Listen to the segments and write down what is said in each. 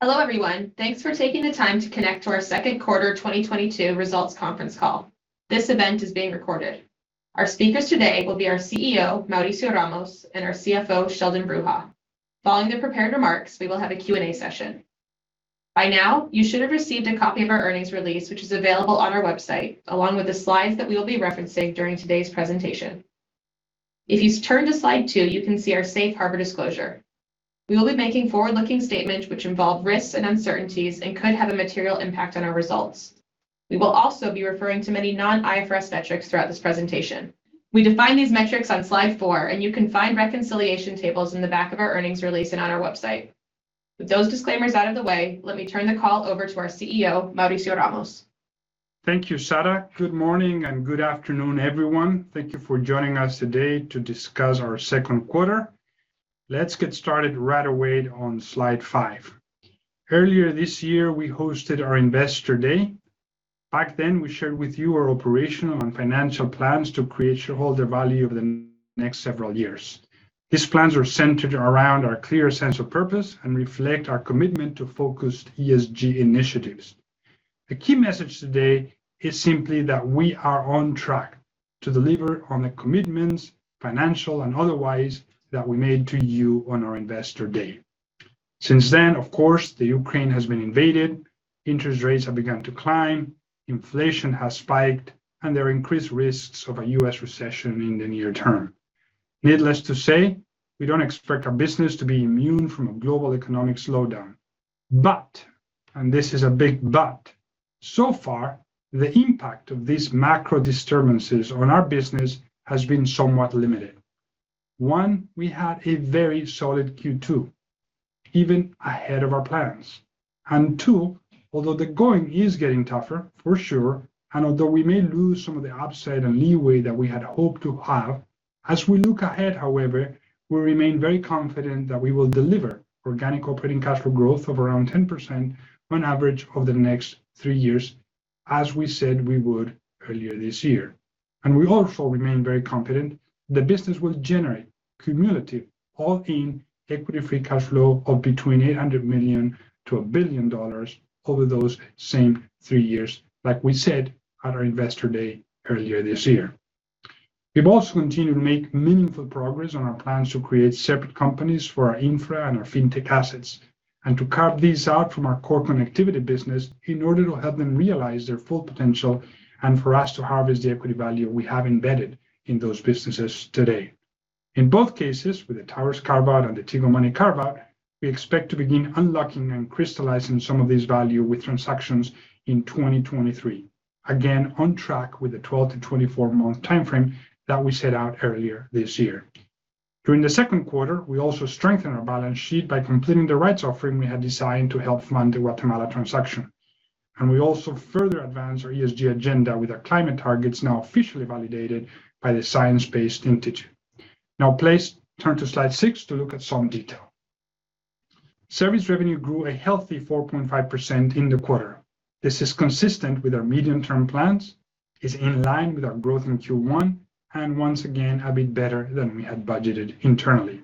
Hello everyone. Thanks for taking the time to connect to our second quarter 2022 results conference call. This event is being recorded. Our speakers today will be our CEO Mauricio Ramos, and our CFO, Sheldon Bruha. Following the prepared remarks, we will have a Q&A session. By now, you should have received a copy of our earnings release which is available on our website, along with the slides that we will be referencing during today's presentation. If you turn to slide two, you can see our safe harbor disclosure. We will be making forward-looking statements which involve risks and uncertainties and could have a material impact on our results. We will also be referring to many non-IFRS metrics throughout this presentation. We define these metrics on slide four, and you can find reconciliation tables in the back of our earnings release and on our website. With those disclaimers out of the way, let me turn the call over to our CEO, Mauricio Ramos. Thank you Sarah. Good morning and good afternoon, everyone. Thank you for joining us today to discuss our second quarter. Let's get started right away on slide five. Earlier this year, we hosted our Investor Day. Back then, we shared with you our operational and financial plans to create shareholder value over the next several years. These plans are centered around our clear sense of purpose and reflect our commitment to focused ESG initiatives. The key message today is simply that we are on track to deliver on the commitments, financial and otherwise, that we made to you on our Investor Day. Since then of course, the Ukraine has been invaded, interest rates have begun to climb, inflation has spiked, and there are increased risks of a U.S. recession in the near term. Needless to say, we don't expect our business to be immune from a global economic slowdown. But, and this is a big but, so far, the impact of these macro disturbances on our business has been somewhat limited. One, we had a very solid Q2, even ahead of our plans. two, although the going is getting tougher, for sure, and although we may lose some of the upside and leeway that we had hoped to have, as we look ahead, however, we remain very confident that we will deliver organic operating cash flow growth of around 10% on average over the next three years, as we said we would earlier this year. We also remain very confident the business will generate cumulative all-in equity free cash flow of between $800 million-$1 billion over those same three years, like we said at our Investor Day earlier this year. We've also continued to make meaningful progress on our plans to create separate companies for our infra and our fintech assets and to carve these out from our core connectivity business in order to help them realize their full potential and for us to harvest the equity value we have embedded in those businesses today. In both cases, with the towers carve-out and the Tigo Money carve-out, we expect to begin unlocking and crystallizing some of this value with transactions in 2023. Again, on track with the 12- to 24-month timeframe that we set out earlier this year. During the second quarter, we also strengthened our balance sheet by completing the rights offering we had designed to help fund the Guatemala transaction. We also further advanced our ESG agenda with our climate targets now officially validated by the Science Based Targets. Now please turn to slide six to look at some detail. Service revenue grew a healthy 4.5% in the quarter. This is consistent with our medium-term plans, is in line with our growth in Q1, and once again, a bit better than we had budgeted internally.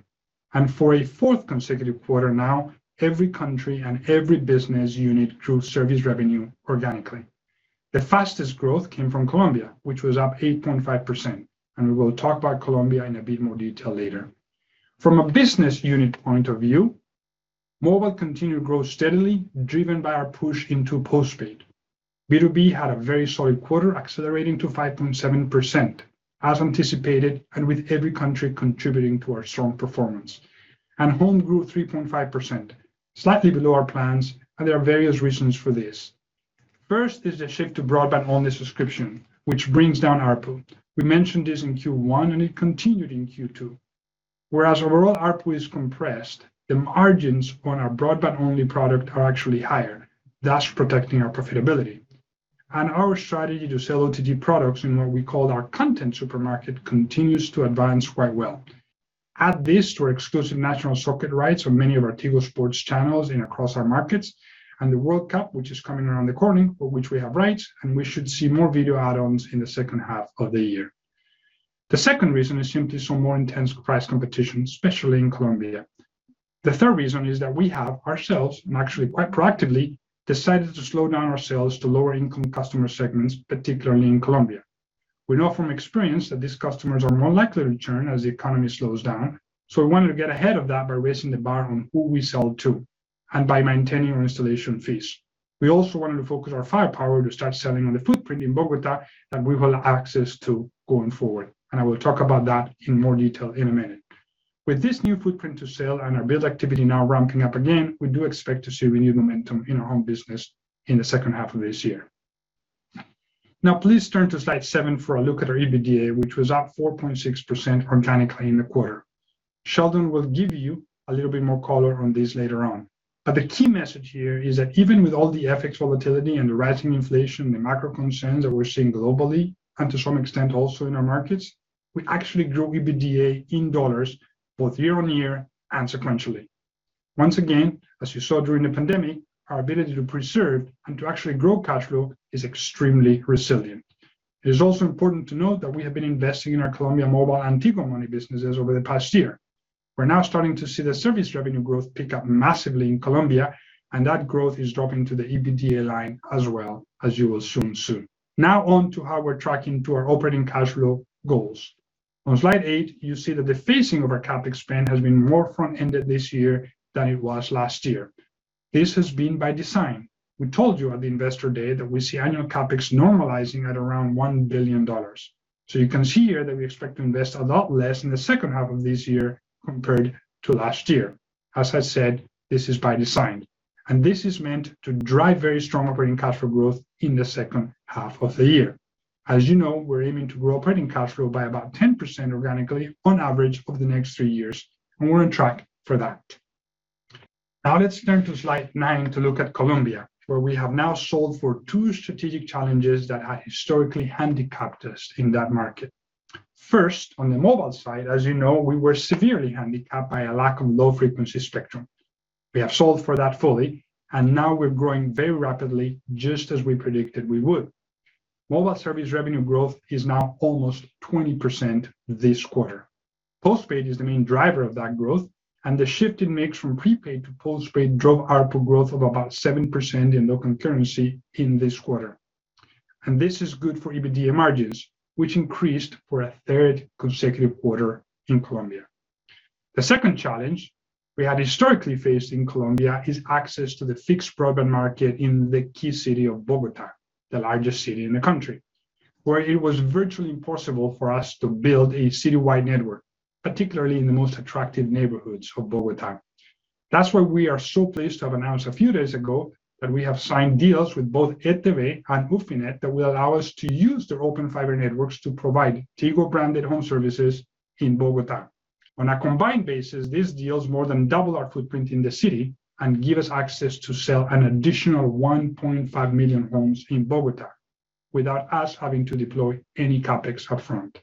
For a fourth consecutive quarter now, every country and every business unit grew service revenue organically. The fastest growth came from Colombia, which was up 8.5%, and we will talk about Colombia in a bit more detail later. From a business unit point of view, mobile continued to grow steadily, driven by our push into postpaid. B2B had a very solid quarter, accelerating to 5.7%, as anticipated, and with every country contributing to our strong performance. Home grew 3.5%, slightly below our plans, and there are various reasons for this. First is the shift to broadband-only subscription, which brings down ARPU. We mentioned this in Q1, and it continued in Q2. Whereas overall ARPU is compressed, the margins on our broadband-only product are actually higher, thus protecting our profitability. Our strategy to sell OTT products in what we call our content supermarket continues to advance quite well. Add this to our exclusive national soccer rights on many of our Tigo Sports channels and across our markets and the World Cup, which is coming around the corner, for which we have rights, and we should see more video add-ons in the second half of the year. The second reason is simply some more intense price competition, especially in Colombia. The third reason is that we have ourselves, and actually quite proactively, decided to slow down our sales to lower income customer segments, particularly in Colombia. We know from experience that these customers are more likely to churn as the economy slows down, so we wanted to get ahead of that by raising the bar on who we sell to and by maintaining our installation fees. We also wanted to focus our firepower to start selling on the footprint in Bogotá that we will access to going forward, and I will talk about that in more detail in a minute. With this new footprint to sell and our build activity now ramping up again, we do expect to see renewed momentum in our home business in the second half of this year. Now please turn to slide seven for a look at our EBITDA, which was up 4.6% organically in the quarter. Sheldon will give you a little bit more color on this later on. The key message here is that even with all the FX volatility and the rising inflation and the macro concerns that we're seeing globally, and to some extent also in our markets, we actually grew EBITDA in dollars both year-on-year and sequentially. Once again, as you saw during the pandemic, our ability to preserve and to actually grow cash flow is extremely resilient. It is also important to note that we have been investing in our Colombia mobile and Tigo Money businesses over the past year. We're now starting to see the service revenue growth pick up massively in Colombia, and that growth is dropping to the EBITDA line as well, as you will soon see. Now on to how we're tracking to our operating cash flow goals. On slide eight, you see that the phasing of our CapEx spend has been more front-ended this year than it was last year. This has been by design. We told you at the Investor Day that we see annual CapEx normalizing at around $1 billion. You can see here that we expect to invest a lot less in the second half of this year compared to last year. As I said, this is by design, and this is meant to drive very strong operating cash flow growth in the second half of the year. As you know, we're aiming to grow operating cash flow by about 10% organically on average over the next three years, and we're on track for that. Now let's turn to slide nine to look at Colombia, where we have now solved for two strategic challenges that have historically handicapped us in that market. First, on the mobile side as you know, we were severely handicapped by a lack of low-frequency spectrum. We have solved for that fully, and now we're growing very rapidly, just as we predicted we would. Mobile service revenue growth is now almost 20% this quarter. Postpaid is the main driver of that growth, and the shift it makes from prepaid to postpaid drove ARPU growth of about 7% in local currency in this quarter. This is good for EBITDA margins, which increased for a third consecutive quarter in Colombia. The second challenge we had historically faced in Colombia is access to the fixed broadband market in the key city of Bogotá, the largest city in the country, where it was virtually impossible for us to build a citywide network, particularly in the most attractive neighborhoods of Bogotá. That's why we are so pleased to have announced a few days ago that we have signed deals with both ETB and Movistar that will allow us to use their Open Fiber networks to provide Tigo-branded home services in Bogotá. On a combined basis, these deals more than double our footprint in the city and give us access to sell an additional 1.5 million homes in Bogotá without us having to deploy any CapEx up front.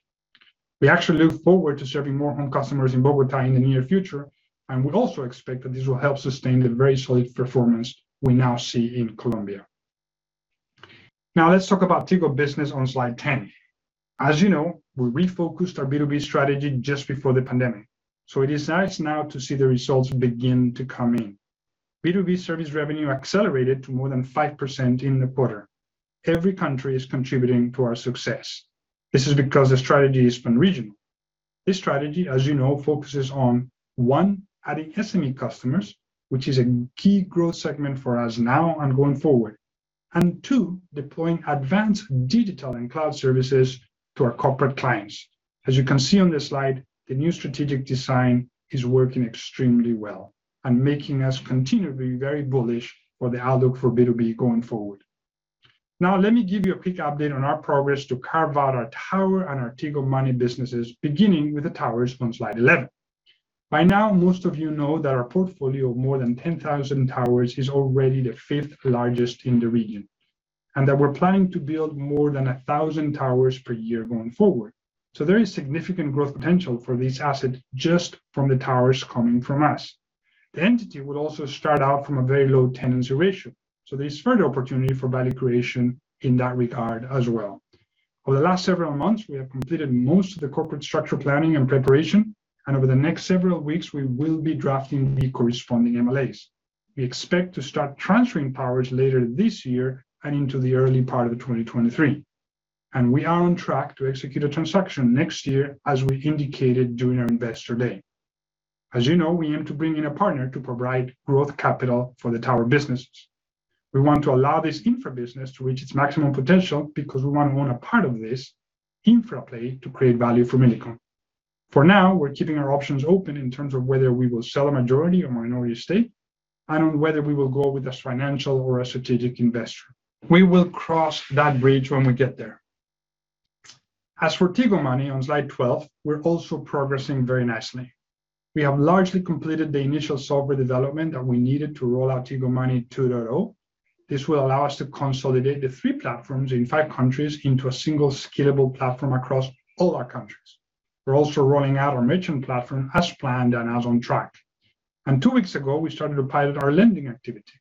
We actually look forward to serving more home customers in Bogotá in the near future, and we also expect that this will help sustain the very solid performance we now see in Colombia. Now let's talk about Tigo Business on slide 10. As you know, we refocused our B2B strategy just before the pandemic, so it is nice now to see the results begin to come in. B2B service revenue accelerated to more than 5% in the quarter. Every country is contributing to our success. This is because the strategy is pan-regional. This strategy, as you know, focuses on, one, adding SME customers, which is a key growth segment for us now and going forward, and two, deploying advanced digital and cloud services to our corporate clients. As you can see on this slide, the new strategic design is working extremely well and making us continually very bullish for the outlook for B2B going forward. Now let me give you a quick update on our progress to carve out our tower and our Tigo Money businesses, beginning with the towers on slide 11. By now, most of you know that our portfolio of more than 10,000 towers is already the fifth largest in the region and that we're planning to build more than 1,000 towers per year going forward. There is significant growth potential for this asset just from the towers coming from us. The entity will also start out from a very low tenancy ratio, so there's further opportunity for value creation in that regard as well. Over the last several months, we have completed most of the corporate structure planning and preparation, and over the next several weeks, we will be drafting the corresponding MLAs. We expect to start transferring towers later this year and into the early part of 2023, and we are on track to execute a transaction next year as we indicated during our Investor Day. As you know, we aim to bring in a partner to provide growth capital for the tower business. We want to allow this infra business to reach its maximum potential because we wanna own a part of this infra play to create value for Millicom. For now, we're keeping our options open in terms of whether we will sell a majority or minority stake, and on whether we will go with this financial or a strategic investor. We will cross that bridge when we get there. As for Tigo Money on slide 12, we're also progressing very nicely. We have largely completed the initial software development that we needed to roll out Tigo Money 2.0. This will allow us to consolidate the three platforms in five countries into a single scalable platform across all our countries. We're also rolling out our merchant platform as planned and as on track. Two weeks ago, we started to pilot our lending activity.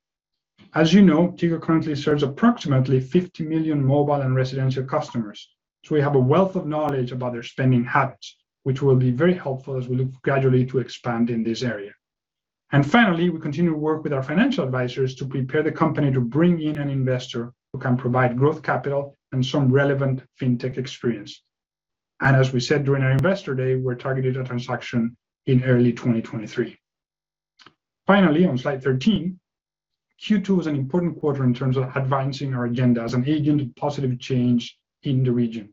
As you know, Tigo currently serves approximately 50 million mobile and residential customers, so we have a wealth of knowledge about their spending habits, which will be very helpful as we look gradually to expand in this area. Finally, we continue to work with our financial advisors to prepare the company to bring in an investor who can provide growth capital and some relevant fintech experience. As we said during our Investor Day, we're targeting a transaction in early 2023. Finally, on slide 13, Q2 was an important quarter in terms of advancing our agenda as an agent of positive change in the region.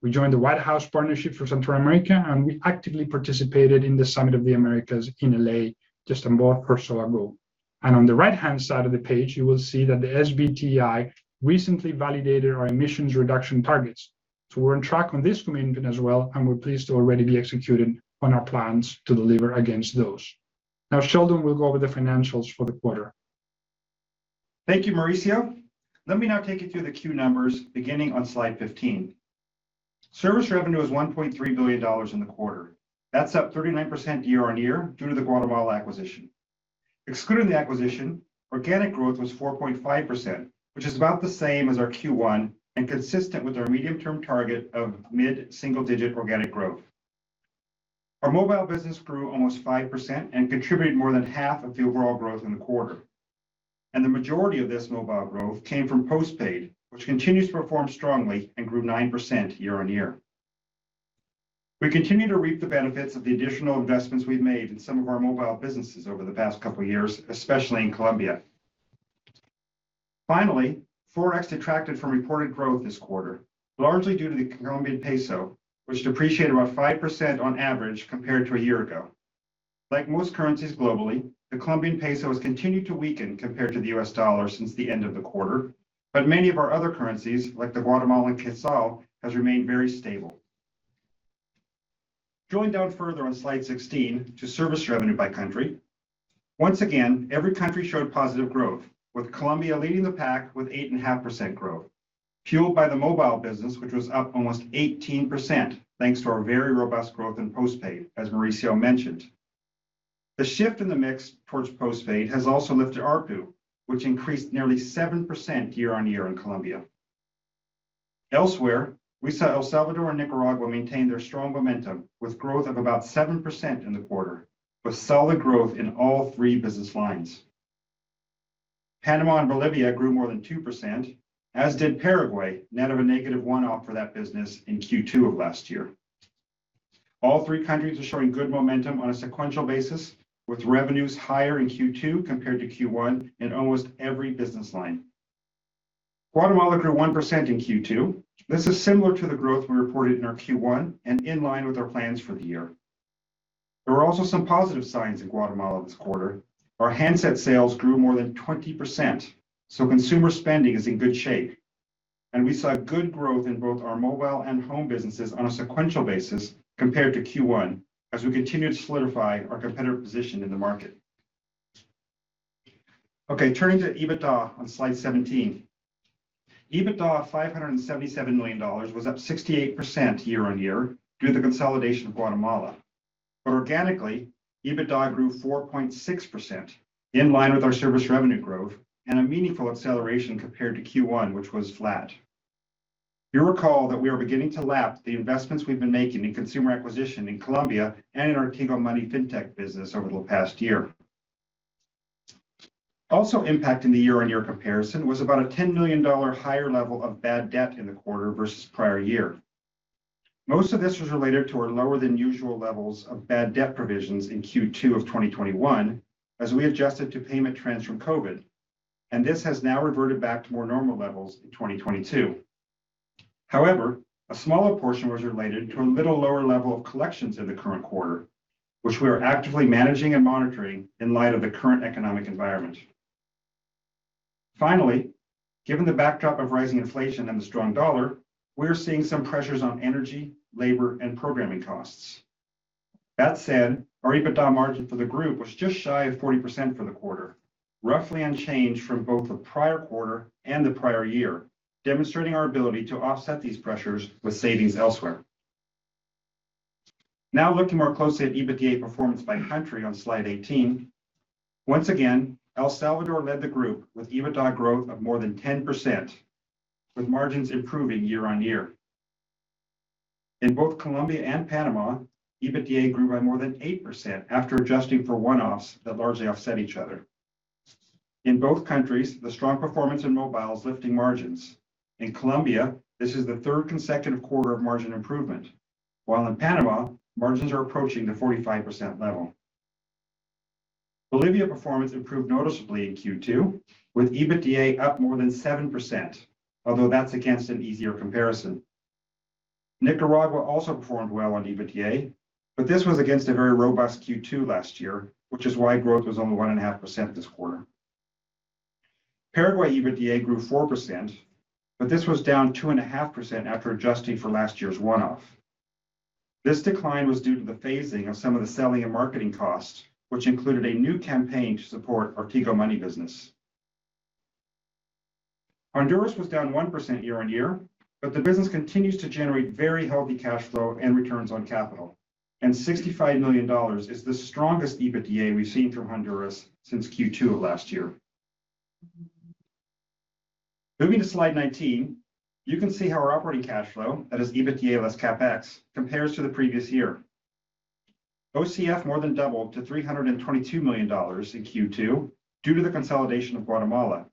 We joined the White House Partnership for Central America, and we actively participated in the Summit of the Americas in L.A. just a month or so ago. On the right-hand side of the page, you will see that the SBTi recently validated our emissions reduction targets. We're on track on this commitment as well, and we're pleased to already be executing on our plans to deliver against those. Now Sheldon will go over the financials for the quarter. Thank you, Mauricio. Let me now take you through the Q numbers beginning on slide 15. Service revenue was $1.3 billion in the quarter. That's up 39% year-on-year due to the Guatemala acquisition. Excluding the acquisition, organic growth was 4.5%, which is about the same as our Q1 and consistent with our medium-term target of mid-single digit organic growth. Our mobile business grew almost 5% and contributed more than half of the overall growth in the quarter. The majority of this mobile growth came from postpaid, which continues to perform strongly and grew 9% year-on-year. We continue to reap the benefits of the additional investments we've made in some of our mobile businesses over the past couple of years, especially in Colombia. Finally, ForEx detracted from reported growth this quarter, largely due to the Colombian peso, which depreciated about 5% on average compared to a year ago. Like most currencies globally, the Colombian peso has continued to weaken compared to the U.S. dollar since the end of the quarter, but many of our other currencies, like the Guatemalan quetzal, has remained very stable. Going down further on slide 16 to service revenue by country, once again, every country showed positive growth, with Colombia leading the pack with 8.5% growth, fueled by the mobile business, which was up almost 18%, thanks to our very robust growth in postpaid, as Mauricio mentioned. The shift in the mix towards postpaid has also lifted ARPU, which increased nearly 7% year-over-year in Colombia. Elsewhere, we saw El Salvador and Nicaragua maintain their strong momentum, with growth of about 7% in the quarter, with solid growth in all three business lines. Panama and Bolivia grew more than 2%, as did Paraguay, net of a negative one-off for that business in Q2 of last year. All three countries are showing good momentum on a sequential basis, with revenues higher in Q2 compared to Q1 in almost every business line. Guatemala grew 1% in Q2. This is similar to the growth we reported in our Q1 and in line with our plans for the year. There were also some positive signs in Guatemala this quarter. Our handset sales grew more than 20%, so consumer spending is in good shape. We saw good growth in both our mobile and home businesses on a sequential basis compared to Q1, as we continue to solidify our competitive position in the market. Okay, turning to EBITDA on slide 17. EBITDA of $577 million was up 68% year-on-year due to the consolidation of Guatemala. Organically, EBITDA grew 4.6%, in line with our service revenue growth and a meaningful acceleration compared to Q1, which was flat. You'll recall that we are beginning to lap the investments we've been making in consumer acquisition in Colombia and in our Tigo Money Fintech business over the past year. Also impacting the year-on-year comparison was about a $10 million higher level of bad debt in the quarter versus prior year. Most of this was related to our lower than usual levels of bad debt provisions in Q2 of 2021 as we adjusted to payment trends from COVID, and this has now reverted back to more normal levels in 2022. However, a smaller portion was related to a little lower level of collections in the current quarter, which we are actively managing and monitoring in light of the current economic environment. Finally, given the backdrop of rising inflation and the strong dollar, we're seeing some pressures on energy, labor, and programming costs. That said, our EBITDA margin for the group was just shy of 40% for the quarter, roughly unchanged from both the prior quarter and the prior year, demonstrating our ability to offset these pressures with savings elsewhere. Now looking more closely at EBITDA performance by country on slide 18. Once again, El Salvador led the group with EBITDA growth of more than 10%, with margins improving year on year. In both Colombia and Panama, EBITDA grew by more than 8% after adjusting for one-offs that largely offset each other. In both countries, the strong performance in mobile is lifting margins. In Colombia, this is the third consecutive quarter of margin improvement, while in Panama, margins are approaching the 45% level. Bolivia performance improved noticeably in Q2, with EBITDA up more than 7%, although that's against an easier comparison. Nicaragua also performed well on EBITDA, but this was against a very robust Q2 last year, which is why growth was only 1.5% this quarter. Paraguay EBITDA grew 4%, but this was down 2.5% after adjusting for last year's one-off. This decline was due to the phasing of some of the selling and marketing costs, which included a new campaign to support our Tigo Money business. Honduras was down 1% year-on-year, but the business continues to generate very healthy cash flow and returns on capital, and $65 million is the strongest EBITDA we've seen from Honduras since Q2 of last year. Moving to slide 19, you can see how our operating cash flow, that is EBITDA less CapEx, compares to the previous year. OCF more than doubled to $322 million in Q2 due to the consolidation of Guatemala.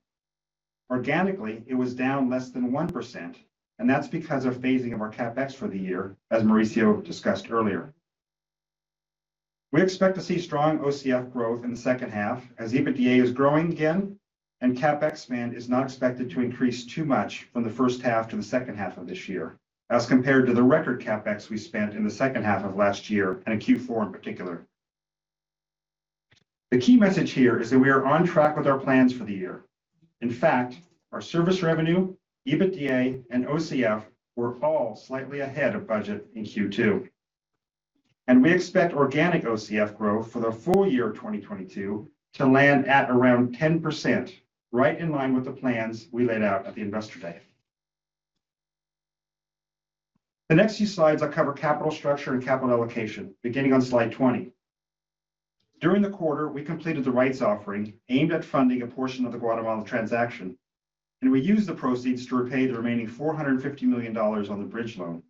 Organically, it was down less than 1%, and that's because of phasing of our CapEx for the year, as Mauricio discussed earlier. We expect to see strong OCF growth in the second half as EBITDA is growing again and CapEx spend is not expected to increase too much from the first half to the second half of this year, as compared to the record CapEx we spent in the second half of last year and in Q4 in particular. The key message here is that we are on track with our plans for the year. In fact, our service revenue, EBITDA, and OCF were all slightly ahead of budget in Q2. We expect organic OCF growth for the full year of 2022 to land at around 10%, right in line with the plans we laid out at the Investor Day. The next few slides will cover capital structure and capital allocation, beginning on slide 20. During the quarter, we completed the rights offering aimed at funding a portion of the Guatemala transaction, and we used the proceeds to repay the remaining $450 million on the bridge loan.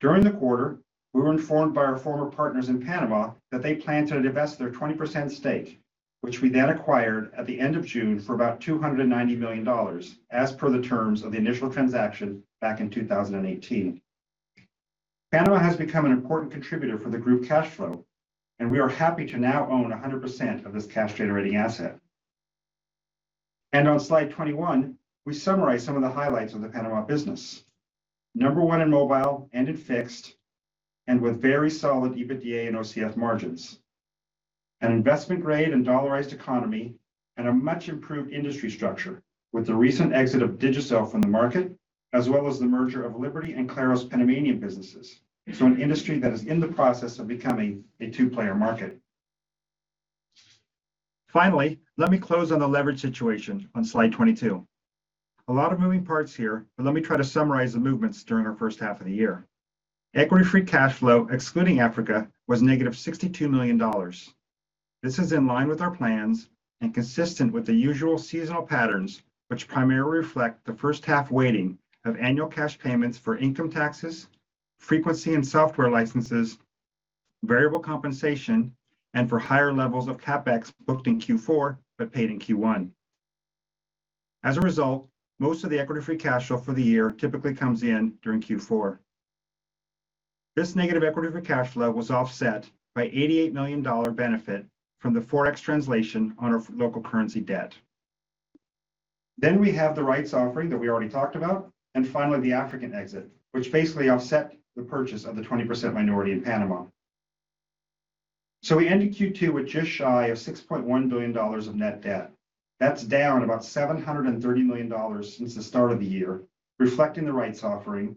During the quarter, we were informed by our former partners in Panama that they planned to divest their 20% stake, which we then acquired at the end of June for about $290 million as per the terms of the initial transaction back in 2018. Panama has become an important contributor for the group cash flow, and we are happy to now own 100% of this cash generating asset. On slide 21, we summarize some of the highlights of the Panama business. Number one in mobile and in fixed, and with very solid EBITDA and OCF margins. An investment-grade and dollarized economy, and a much improved industry structure with the recent exit of Digicel from the market, as well as the merger of Liberty and Claro's Panamanian businesses. An industry that is in the process of becoming a two-player market. Finally, let me close on the leverage situation on slide 22. A lot of moving parts here, but let me try to summarize the movements during our first half of the year. Equity-free cash flow, excluding Africa, was negative $62 million. This is in line with our plans and consistent with the usual seasonal patterns, which primarily reflect the first half weighting of annual cash payments for income taxes, frequency and software licenses, variable compensation, and for higher levels of CapEx booked in Q4 but paid in Q1. As a result, most of the equity-free cash flow for the year typically comes in during Q4. This negative equity-free cash flow was offset by $88 million benefit from the Forex translation on our local currency debt. We have the rights offering that we already talked about, and finally, the African exit, which basically offset the purchase of the 20% minority in Panama. We ended Q2 with just shy of $6.1 billion of net debt. That's down about $730 million since the start of the year, reflecting the rights offering.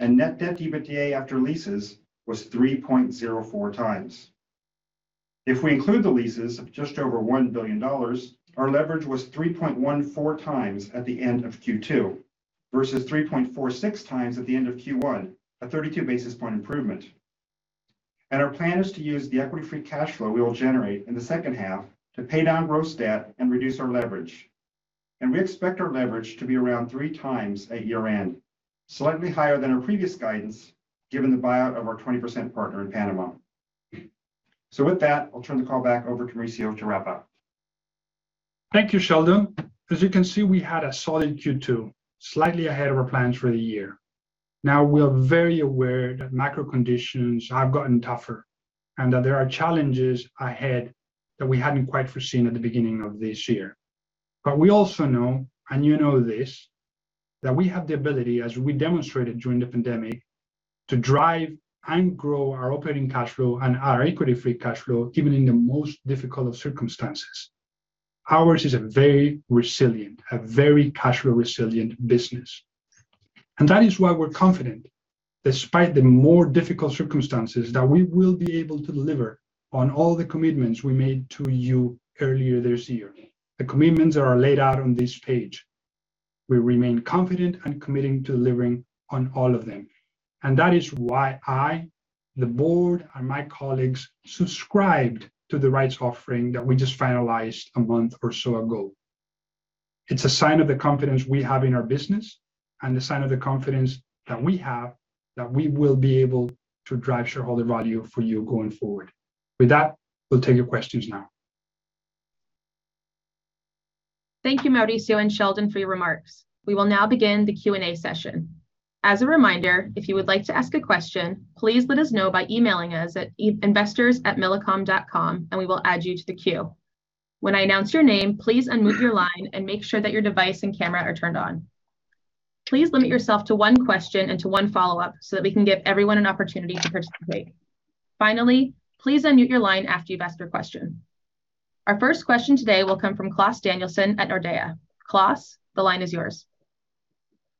Net debt EBITDA after leases was 3.04x. If we include the leases of just over $1 billion, our leverage was 3.14x at the end of Q2 versus 3.46x at the end of Q1, a 32 basis point improvement. Our plan is to use the equity free cash flow we will generate in the second half to pay down gross debt and reduce our leverage. We expect our leverage to be around 3x at year-end, slightly higher than our previous guidance, given the buyout of our 20% partner in Panama. With that, I'll turn the call back over to Mauricio to wrap up. Thank you, Sheldon. As you can see, we had a solid Q2, slightly ahead of our plans for the year. Now, we're very aware that macro conditions have gotten tougher and that there are challenges ahead that we hadn't quite foreseen at the beginning of this year. We also know, and you know this, that we have the ability, as we demonstrated during the pandemic, to drive and grow our operating cash flow and our equity free cash flow, even in the most difficult of circumstances. Ours is a very resilient, cash flow resilient business. That is why we're confident, despite the more difficult circumstances, that we will be able to deliver on all the commitments we made to you earlier this year, the commitments that are laid out on this page. We remain confident and committed to delivering on all of them. That is why I, the board, and my colleagues subscribed to the rights offering that we just finalized a month or so ago. It's a sign of the confidence we have in our business and a sign of the confidence that we have that we will be able to drive shareholder value for you going forward. With that, we'll take your questions now. Thank you Mauricio and Sheldon for your remarks. We will now begin the Q&A session. As a reminder, if you would like to ask a question, please let us know by emailing us at investors@millicom.com and we will add you to the queue. When I announce your name, please unmute your line and make sure that your device and camera are turned on. Please limit yourself to one question and to one follow-up so that we can give everyone an opportunity to participate. Finally, please unmute your line after you've asked your question. Our first question today will come from Klas Danielsson at Nordea. Klas, the line is yours.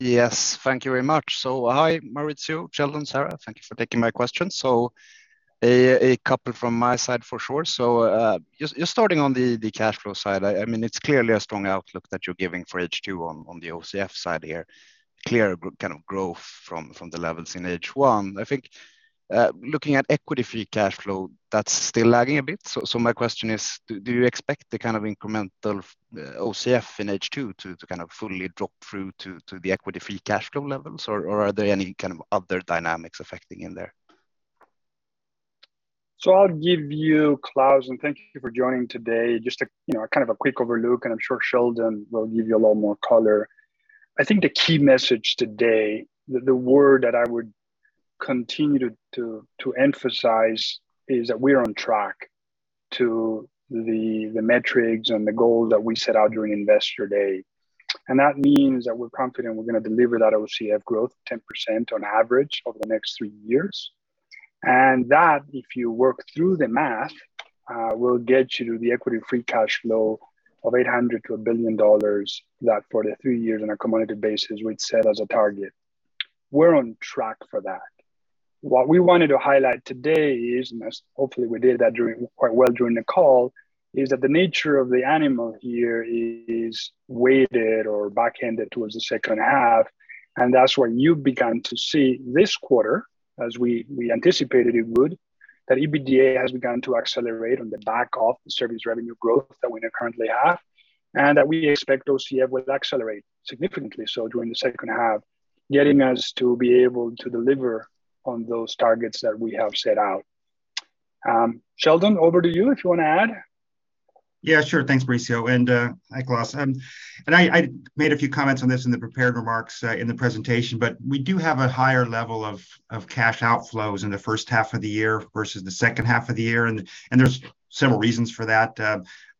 Yes, thank you very much. Hi Mauricio, Sheldon, Sarah. Thank you for taking my question. A couple from my side for sure. Just starting on the cash flow side, I mean, it's clearly a strong outlook that you're giving for H2 on the OCF side here. Clearly, kind of growth from the levels in H1. I think looking at equity-free cash flow, that's still lagging a bit. My question is, do you expect the kind of incremental OCF in H2 to kind of fully drop through to the equity-free cash flow levels, or are there any kind of other dynamics affecting in there? I'll give you Klas, and thank you for joining today, just you know kind of a quick overview, and I'm sure Sheldon will give you a lot more color. I think the key message today, the word that I would continue to emphasize is that we are on track to the metrics and the goals that we set out during Investor Day. That means that we're confident we're gonna deliver that OCF growth 10% on average over the next three years. That, if you work through the math, will get you to the equity free cash flow of $800-$1 billion that for the three years on a cumulative basis we'd set as a target. We're on track for that. What we wanted to highlight today is, and as hopefully we did that quite well during the call, is that the nature of the animal here is weighted or backended towards the second half. That's when you began to see this quarter as we anticipated it would, that EBITDA has begun to accelerate on the back of the service revenue growth that we now currently have. That we expect OCF will accelerate significantly so during the second half, getting us to be able to deliver on those targets that we have set out. Sheldon, over to you if you want to add. Yeah sure. Thanks Mauricio, and hi Klas. I made a few comments on this in the prepared remarks in the presentation, but we do have a higher level of cash outflows in the first half of the year versus the second half of the year. There's several reasons for that. You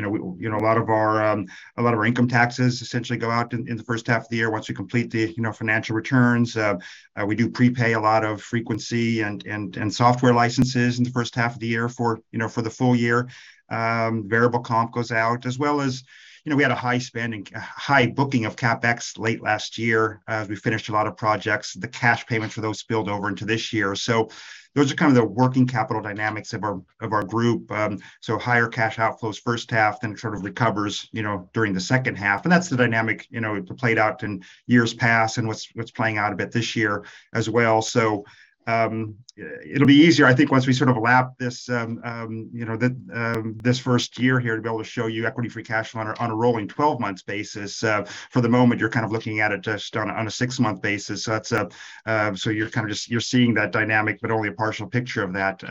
know, a lot of our income taxes essentially go out in the first half of the year once we complete the financial returns. We do prepay a lot of frequency and software licenses in the first half of the year for the full year. Variable comp goes out as well as, you know, we had a high spend and high booking of CapEx late last year as we finished a lot of projects. The cash payments for those spilled over into this year. Those are kind of the working capital dynamics of our group. Higher cash outflows first half then it sort of recovers, you know, during the second half. That's the dynamic, you know, it played out in years past and what's playing out a bit this year as well. It'll be easier I think once we sort of lap this, you know, this first year here to be able to show you equity free cash flow on a rolling twelve months basis. For the moment, you're kind of looking at it just on a six-month basis. You're seeing that dynamic, but only a partial picture of that.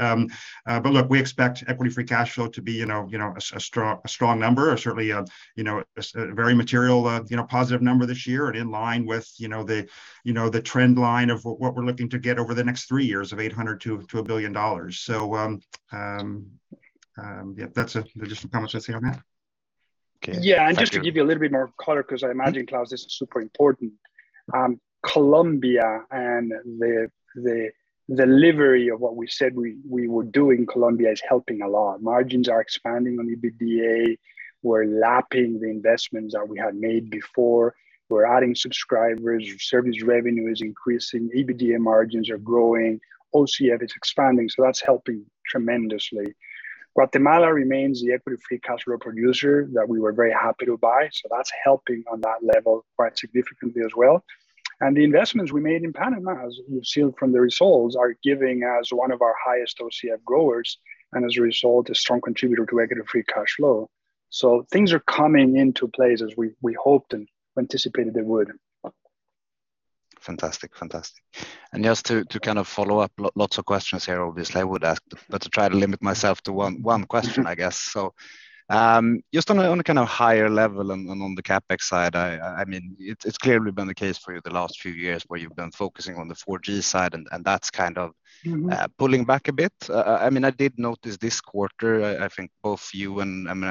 Look, we expect equity free cash flow to be, you know, a strong number or certainly, you know, a very material, you know, positive number this year and in line with, you know, the trend line of what we're looking to get over the next three years of $800 to $1 billion. Yeah, that's it. Those are just the comments I see on that. Okay. Thank you. Yeah. Just to give you a little bit more color, because I imagine Claus, this is super important, Colombia and the delivery of what we said we were doing, Colombia is helping a lot. Margins are expanding on EBITDA. We're lapping the investments that we had made before. We're adding subscribers. Service revenue is increasing. EBITDA margins are growing. OCF is expanding, so that's helping tremendously. Guatemala remains the equity free cash flow producer that we were very happy to buy, so that's helping on that level quite significantly as well. The investments we made in Panama, as you've seen from the results, are giving us one of our highest OCF growers and as a result, a strong contributor to equity free cash flow. Things are coming into place as we hoped and anticipated they would. Fantastic. Just to kind of follow up, lots of questions here, obviously I would ask, but to try to limit myself to one question, I guess. Just on a kind of higher level on the CapEx side, I mean it's clearly been the case for you the last few years where you've been focusing on the 4G side and that's kind of- Mm-hmm Pulling back a bit. I mean, I did notice this quarter. I think both you and I mean,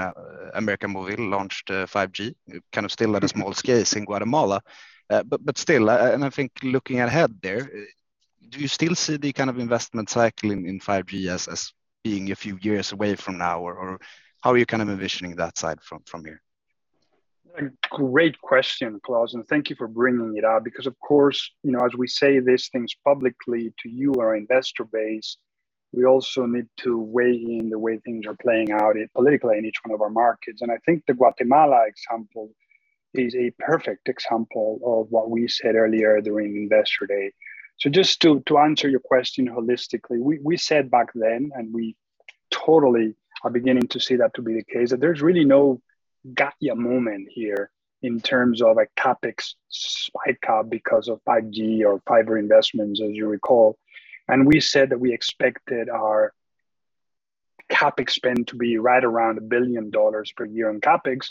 América Móvil launched 5G kind of still at a small scale in Guatemala. Still, and I think looking ahead there, do you still see the kind of investment cycle in 5G as being a few years away from now? Or how are you kind of envisioning that side from here? A great question, Klas, and thank you for bringing it up because of course, you know, as we say these things publicly to you, our investor base, we also need to weigh in the way things are playing out politically in each one of our markets. I think the Guatemala example is a perfect example of what we said earlier during Investor Day. Just to answer your question holistically, we said back then, and we totally are beginning to see that to be the case, that there's really no gotcha moment here in terms of a CapEx spike up because of 5G or fiber investments, as you recall. We said that we expected our CapEx spend to be right around $1 billion per year on CapEx.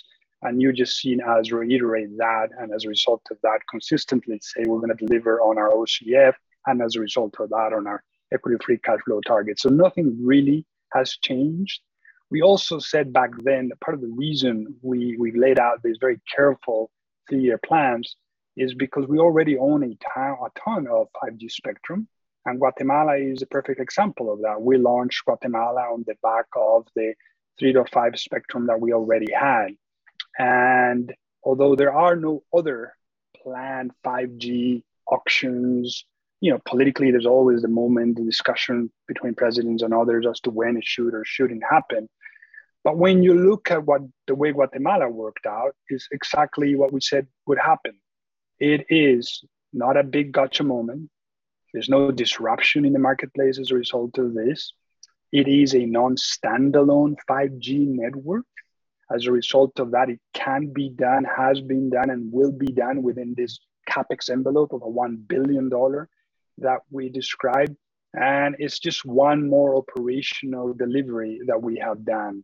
You've just seen us reiterate that and as a result of that consistently say we're gonna deliver on our OCF and as a result of that on our equity free cash flow target. Nothing really has changed. We also said back then that part of the reason we laid out these very careful three-year plans is because we already own a ton of 5G spectrum, and Guatemala is a perfect example of that. We launched Guatemala on the back of the 3-5 spectrum that we already had. Although there are no other planned 5G auctions, you know, politically there's always the moment, the discussion between presidents and others as to when it should or shouldn't happen. When you look at what the way Guatemala worked out is exactly what we said would happen. It is not a big gotcha moment. There's no disruption in the marketplace as a result of this. It is a non-standalone 5G network. As a result of that, it can be done, has been done, and will be done within this CapEx envelope of a $1 billion that we described, and it's just one more operational delivery that we have done.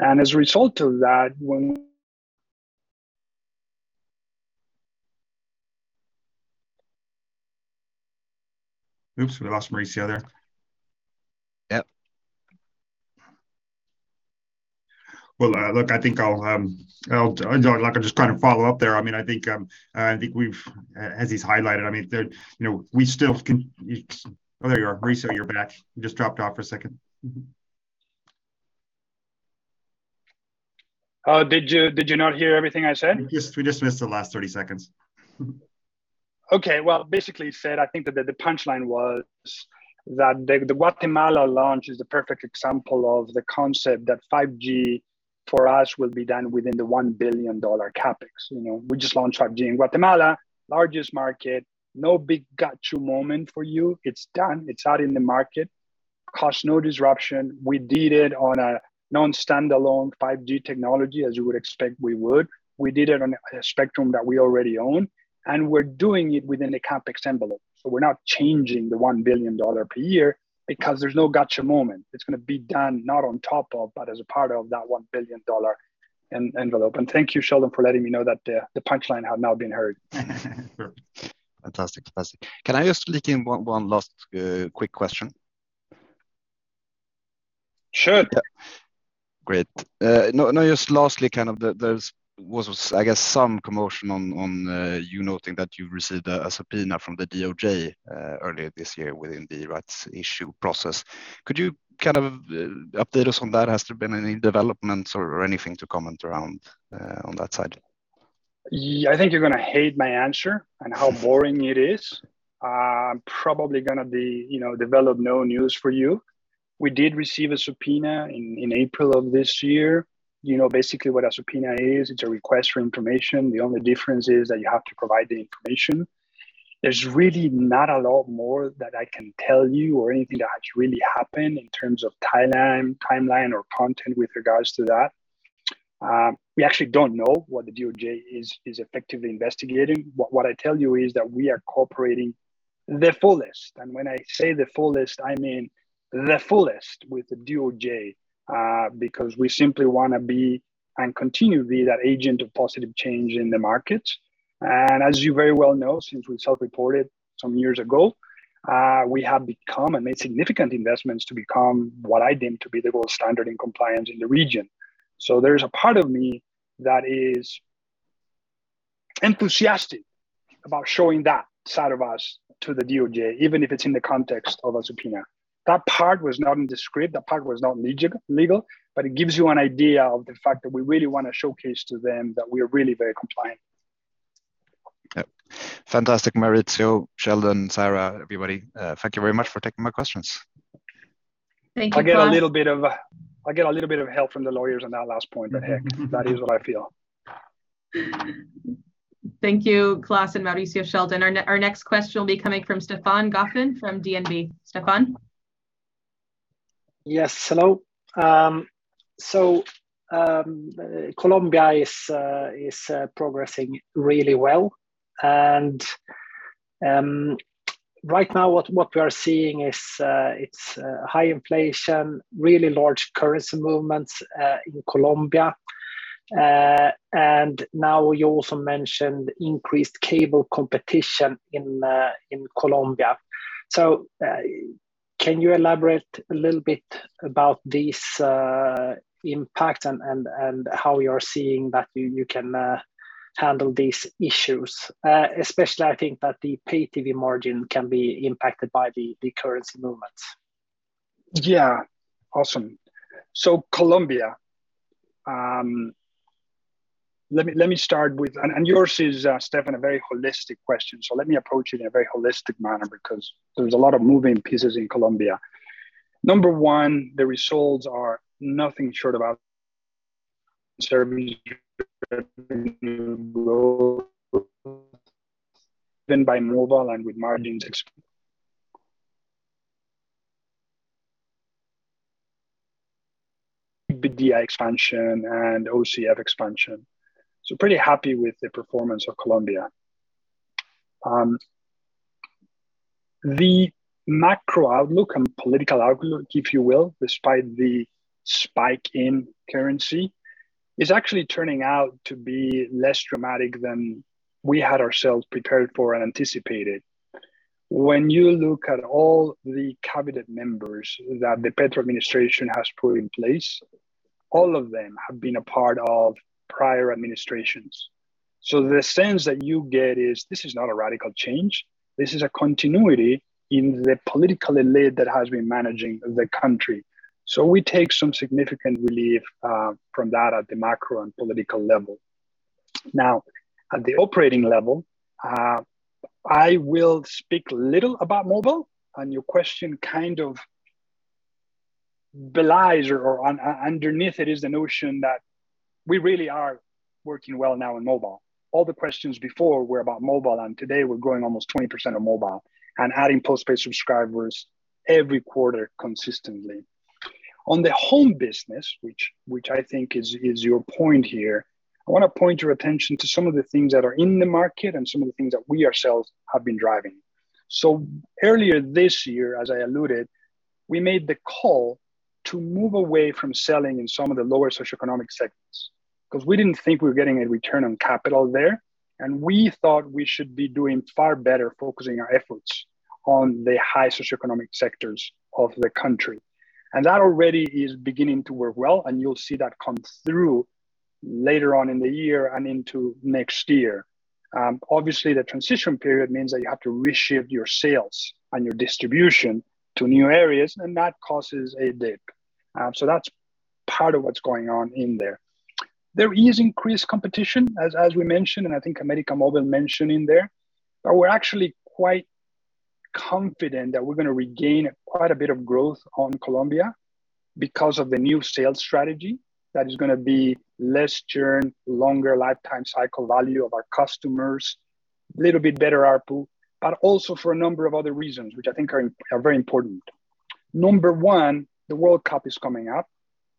As a result of that, when Oops, we lost Mauricio there. Yep. Well look, I think I'll I'd like to just try to follow up there. I mean, I think we've, as is highlighted, I mean, there, you know, we still can. Oh, there you are. Mauricio, you're back. You just dropped off for a second. Mm-hmm. Did you not hear everything I said? We just missed the last 30 seconds. Mm-hmm. Okay. Well, basically it said I think that the punchline was that the Guatemala launch is the perfect example of the concept that 5G for us will be done within the $1 billion CapEx, you know. We just launched 5G in Guatemala, largest market, no big gotcha moment for you. It's done. It's out in the market. Caused no disruption. We did it on a non-standalone 5G technology, as you would expect we would. We did it on a spectrum that we already own, and we're doing it within a CapEx envelope. We're not changing the $1 billion per year because there's no gotcha moment. It's gonna be done not on top of, but as a part of that $1 billion envelope. Thank you Sheldon for letting me know that the punchline had not been heard. Sure. Fantastic. Fantastic. Can I just sneak in one last quick question? Sure. Yeah. Great. Now just lastly, kind of there was, I guess, some commotion on you noting that you received a subpoena from the DOJ earlier this year within the rights issue process. Could you kind of update us on that? Has there been any developments or anything to comment around on that side? Yeah. I think you're gonna hate my answer and how boring it is. I'm probably gonna be, you know, deliver no news for you. We did receive a subpoena in April of this year. You know basically what a subpoena is. It's a request for information. The only difference is that you have to provide the information. There's really not a lot more that I can tell you or anything that has really happened in terms of timeline or content with regards to that. We actually don't know what the DOJ is effectively investigating. What I tell you is that we are cooperating the fullest. When I say the fullest, I mean the fullest with the DOJ. Because we simply wanna be and continue to be that agent of positive change in the market. As you very well know, since we self-reported some years ago, we have become and made significant investments to become what I deem to be the gold standard in compliance in the region. There's a part of me that is enthusiastic about showing that side of us to the DOJ, even if it's in the context of a subpoena. That part was not in the script, that part was not legal, but it gives you an idea of the fact that we really wanna showcase to them that we are really very compliant. Yep. Fantastic Mauricio, Sheldon, Sarah, everybody, thank you very much for taking my questions. Thank you Klas. I get a little bit of help from the lawyers on that last point of heck, that is what I feel. Thank you Klas and Mauricio, Sheldon, our next question will be coming from Stefan Gauffin from DNB. Stefan? Yes. Hello. Colombia is progressing really well. Right now what we are seeing is it's high inflation, really large currency movements in Colombia. Now you also mentioned increased cable competition in Colombia. Can you elaborate a little bit about this impact and how you are seeing that you can handle these issues? Especially I think that the pay-TV margin can be impacted by the currency movements. Yeah. Awesome. Colombia, let me start with yours, Stefan, a very holistic question, so let me approach it in a very holistic manner because there's a lot of moving pieces in Colombia. Number one, the results are nothing short. About service revenue by mobile and with margins expansion, EBITDA expansion and OCF expansion. Pretty happy with the performance of Colombia. The macro outlook and political outlook, if you will, despite the spike in currency, is actually turning out to be less dramatic than we had ourselves prepared for and anticipated. When you look at all the cabinet members that the Petro administration has put in place, all of them have been a part of prior administrations. The sense that you get is this is not a radical change, this is a continuity in the political elite that has been managing the country. We take some significant relief from that at the macro and political level. Now, at the operating level, I will speak a little about mobile. Your question kind of belies or underneath it is the notion that we really are working well now in mobile. All the questions before were about mobile, and today we're growing almost 20% of mobile and adding postpaid subscribers every quarter consistently. On the home business, which I think is your point here, I wanna point your attention to some of the things that are in the market and some of the things that we ourselves have been driving. Earlier this year, as I alluded, we made the call to move away from selling in some of the lower socioeconomic sectors 'cause we didn't think we were getting a return on capital there, and we thought we should be doing far better focusing our efforts on the high socioeconomic sectors of the country. That already is beginning to work well, and you'll see that come through later on in the year and into next year. Obviously the transition period means that you have to reshift your sales and your distribution to new areas, and that causes a dip. That's part of what's going on in there. There is increased competition, as we mentioned, and I think América Móvil mentioned in there. We're actually quite confident that we're gonna regain quite a bit of growth on Colombia because of the new sales strategy that is gonna be less churn, longer lifetime value of our customers, little bit better ARPU, but also for a number of other reasons which I think are very important. Number one, the World Cup is coming up,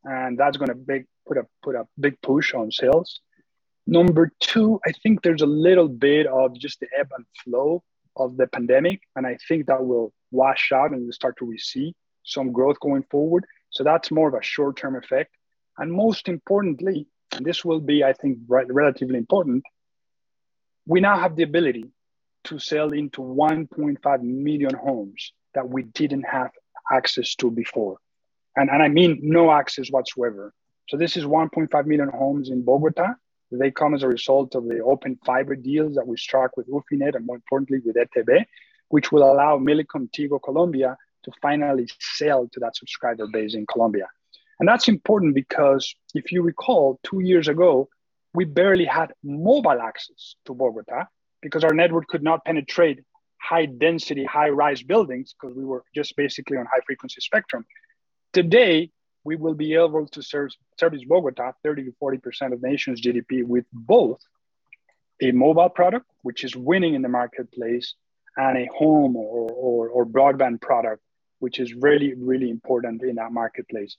and that's gonna put a big push on sales. Number two, I think there's a little bit of just the ebb and flow of the pandemic, and I think that will wash out and we'll start to receive some growth going forward, so that's more of a short-term effect. Most importantly, this will be, I think, relatively important. We now have the ability to sell into 1.5 million homes that we didn't have access to before, and I mean no access whatsoever. This is 1.1 million homes in Bogotá. They come as a result of the Open Fiber deals that we struck with Ufinet, and more importantly with ETB, which will allow Millicom Tigo Colombia to finally sell to that subscriber base in Colombia. That's important because, if you recall, two years ago we barely had mobile access to Bogotá because our network could not penetrate high-density, high-rise buildings, 'cause we were just basically on high-frequency spectrum. Today, we will be able to service Bogotá, 30%-40% of the nation's GDP, with both a mobile product, which is winning in the marketplace, and a home or broadband product, which is really important in that marketplace.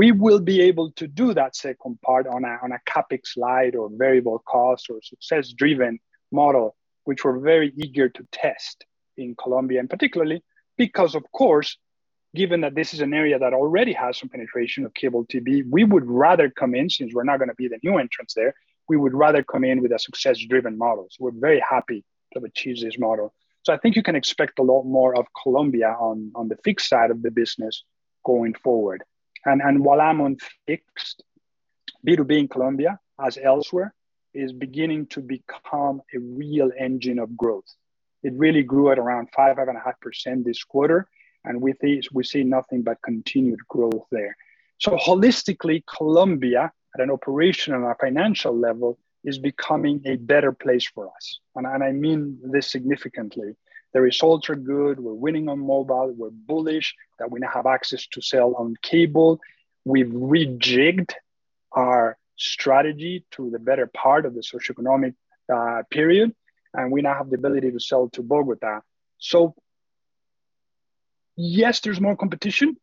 We will be able to do that second part on a CapEx slide or variable cost or success-driven model, which we're very eager to test in Colombia. Particularly because, of course, given that this is an area that already has some penetration of cable TV, we would rather come in, since we're not gonna be the new entrants there, we would rather come in with a success-driven model. We're very happy to achieve this model. I think you can expect a lot more of Colombia on the fixed side of the business going forward. While I'm on fixed, B2B in Colombia, as elsewhere, is beginning to become a real engine of growth. It really grew at around 5%-5.5% this quarter, and with this we see nothing but continued growth there. Holistically, Colombia, at an operational and a financial level, is becoming a better place for us. I mean this significantly. The results are good. We're winning on mobile. We're bullish that we now have access to sell on cable. We've rejigged our strategy to the better part of the socioeconomic period, and we now have the ability to sell to Bogotá. Yes, there's more competition,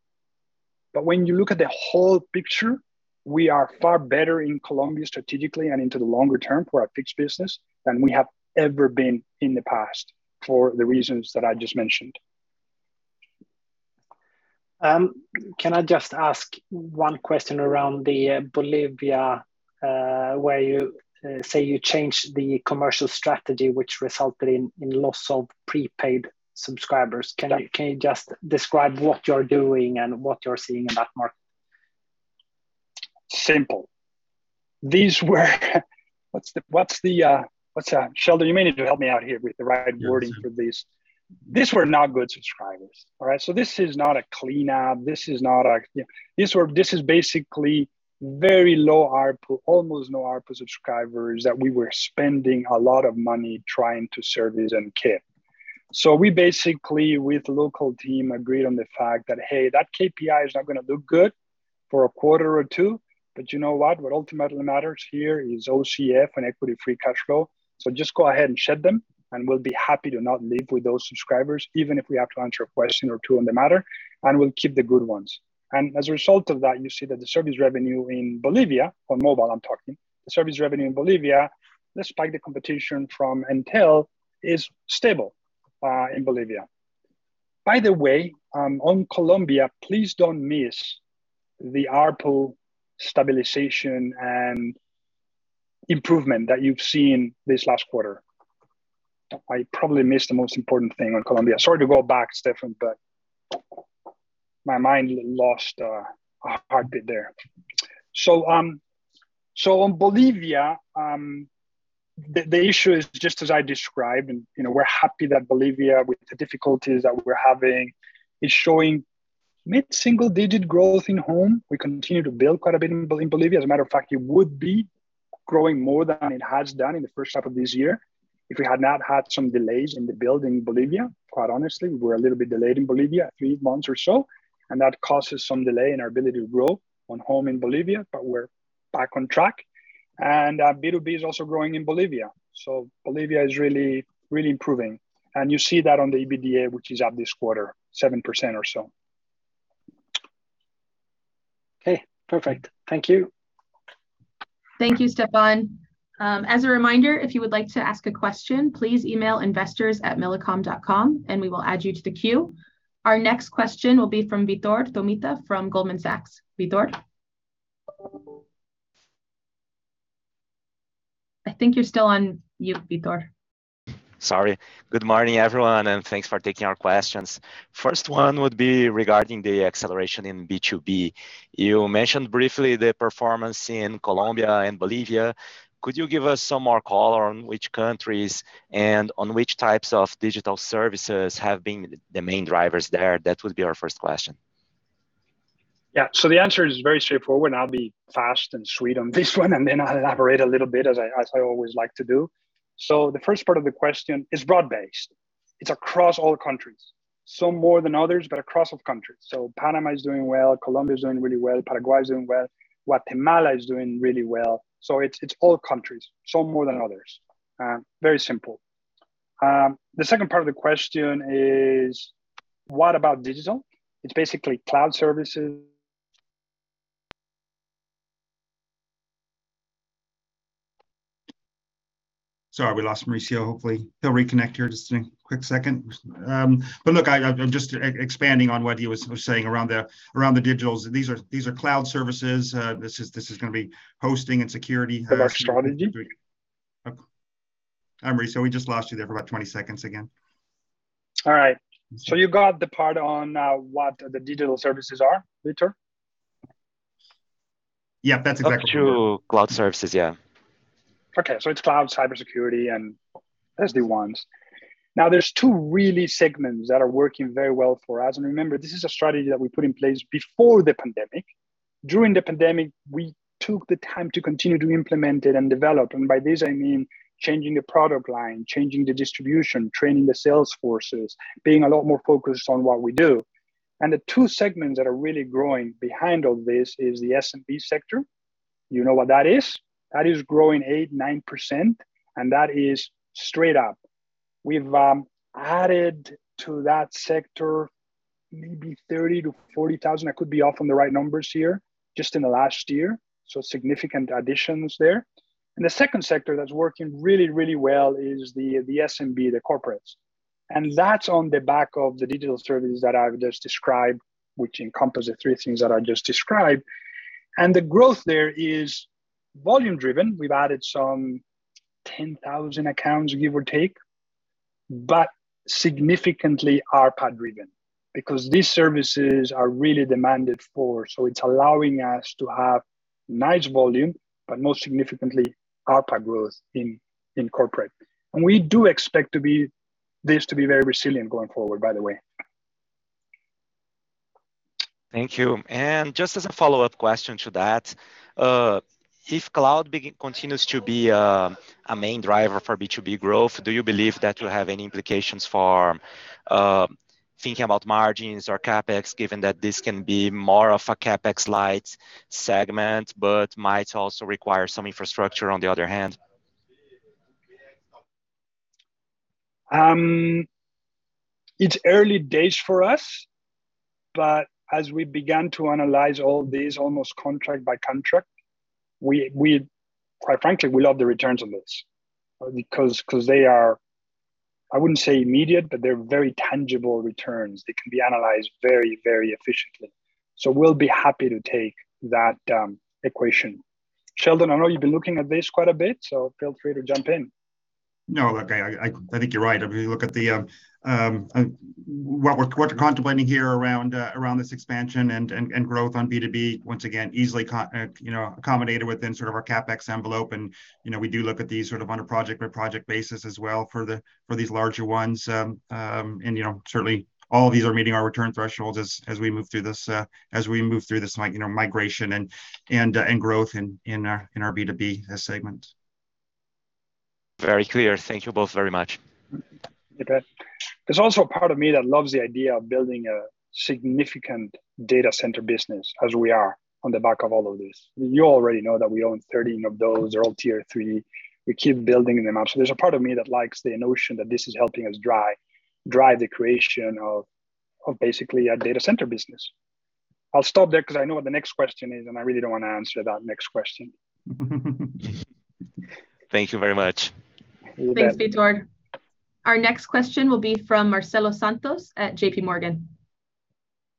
but when you look at the whole picture, we are far better in Colombia strategically and into the longer term for our fixed business than we have ever been in the past, for the reasons that I just mentioned. Can I just ask one question around the Bolivia, where you say you changed the commercial strategy, which resulted in loss of prepaid subscribers? Yeah. Can you just describe what you're doing and what you're seeing in that market? Simple. These were. Sheldon, you may need to help me out here with the right wording for this. Yes. These were not good subscribers. All right? This is not a cleanup. This is basically very low ARPU, almost no ARPU subscribers that we were spending a lot of money trying to service and care. We basically, with the local team, agreed on the fact that, hey, that KPI is not gonna look good for a quarter or two, but you know what? What ultimately matters here is OCF and equity free cash flow, so just go ahead and shed them, and we'll be happy to not live with those subscribers, even if we have to answer a question or two on the matter, and we'll keep the good ones. As a result of that, you see that the service revenue in Bolivia, on mobile I'm talking, the service revenue in Bolivia, despite the competition from Entel, is stable in Bolivia. By the way, on Colombia, please don't miss the ARPU stabilization and improvement that you've seen this last quarter. I probably missed the most important thing on Colombia. Sorry to go back, Stefan, but my mind lost a heartbeat there. On Bolivia, the issue is just as I described and, you know, we're happy that Bolivia with the difficulties that we're having is showing mid-single digit growth in home. We continue to build quite a bit in Bolivia. As a matter of fact, it would be growing more than it has done in the first half of this year if we had not had some delays in the build in Bolivia, quite honestly. We're a little bit delayed in Bolivia, three months or so, and that causes some delay in our ability to grow our home in Bolivia, but we're back on track. B2B is also growing in Bolivia, so Bolivia is really, really improving, and you see that on the EBITDA, which is up this quarter 7% or so. Okay. Perfect. Thank you. Thank you Stefan. As a reminder, if you would like to ask a question, please email investors@millicom.com and we will add you to the queue. Our next question will be from Vitor Tomita from Goldman Sachs. Vitor? I think you're still on mute, Vitor. Sorry. Good morning everyone, and thanks for taking our questions. First one would be regarding the acceleration in B2B. You mentioned briefly the performance in Colombia and Bolivia. Could you give us some more color on which countries and on which types of digital services have been the main drivers there? That would be our first question. Yeah. The answer is very straightforward, and I'll be fast and sweet on this one and then I'll elaborate a little bit, as I always like to do. The first part of the question is broad-based. It's across all countries, some more than others, but across all countries. Panama is doing well, Colombia is doing really well, Paraguay is doing well, Guatemala is doing really well. It's all countries, some more than others. Very simple. The second part of the question is: what about digital? It's basically cloud services. Sorry we lost Mauricio. Hopefully he'll reconnect here just in a quick second. Look, I expanding on what he was saying around the digitals, these are cloud services. This is gonna be hosting and security. Of our strategy. Okay. Mauricio, we just lost you there for about 20 seconds again. All right. You got the part on what the digital services are, Vitor? Yeah, that's exactly what we The two cloud services, yeah. It's cloud, cybersecurity, and that's the ones. Now, there's two really segments that are working very well for us. Remember, this is a strategy that we put in place before the pandemic. During the pandemic, we took the time to continue to implement it and develop. By this I mean changing the product line, changing the distribution, training the sales forces, being a lot more focused on what we do. The two segments that are really growing behind all this is the SME sector. You know what that is. That is growing 8%-9%, and that is straight up. We've added to that sector maybe 30,000-40,000, I could be off on the right numbers here, just in the last year, so significant additions there. The second sector that's working really, really well is the SMB, the corporates, and that's on the back of the digital services that I've just described, which encompass the three things that I just described. The growth there is volume driven. We've added some 10,000 accounts, give or take, but significantly ARPU driven because these services are really demanded for. It's allowing us to have nice volume, but most significantly, ARPU growth in corporate. We do expect this to be very resilient going forward, by the way. Thank you. Just as a follow-up question to that, if cloud continues to be a main driver for B2B growth, do you believe that will have any implications for thinking about margins or CapEx, given that this can be more of a CapEx light segment, but might also require some infrastructure on the other hand? It's early days for us, but as we began to analyze all these almost contract by contract, quite frankly, we love the returns on this because they are, I wouldn't say immediate, but they're very tangible returns. They can be analyzed very, very efficiently. We'll be happy to take that equation. Sheldon, I know you've been looking at this quite a bit, so feel free to jump in. No, look, I think you're right. If you look at the what we're contemplating here around this expansion and growth on B2B, once again, easily, you know, accommodated within sort of our CapEx envelope. You know, we do look at these sort of on a project by project basis as well for these larger ones. You know, certainly all of these are meeting our return thresholds as we move through this migration and growth in our B2B segment. Very clear. Thank you both very much. You bet. There's also a part of me that loves the idea of building a significant data center business as we are on the back of all of this. You already know that we own 13 of those. They're all Tier 3. We keep building them up. There's a part of me that likes the notion that this is helping us drive the creation of basically a data center business. I'll stop there because I know what the next question is, and I really don't want to answer that next question. Thank you very much. Thanks Vitor. Our next question will be from Marcelo Santos at JPMorgan.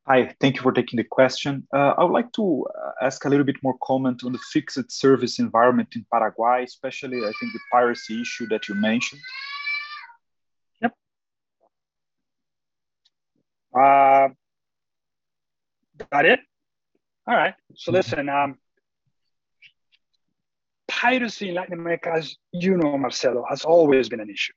Hi. Thank you for taking the question. I would like to ask a little bit more comment on the fixed service environment in Paraguay, especially I think the piracy issue that you mentioned. Yep. Got it. All right. Listen, piracy in Latin America, as you know, Marcelo, has always been an issue.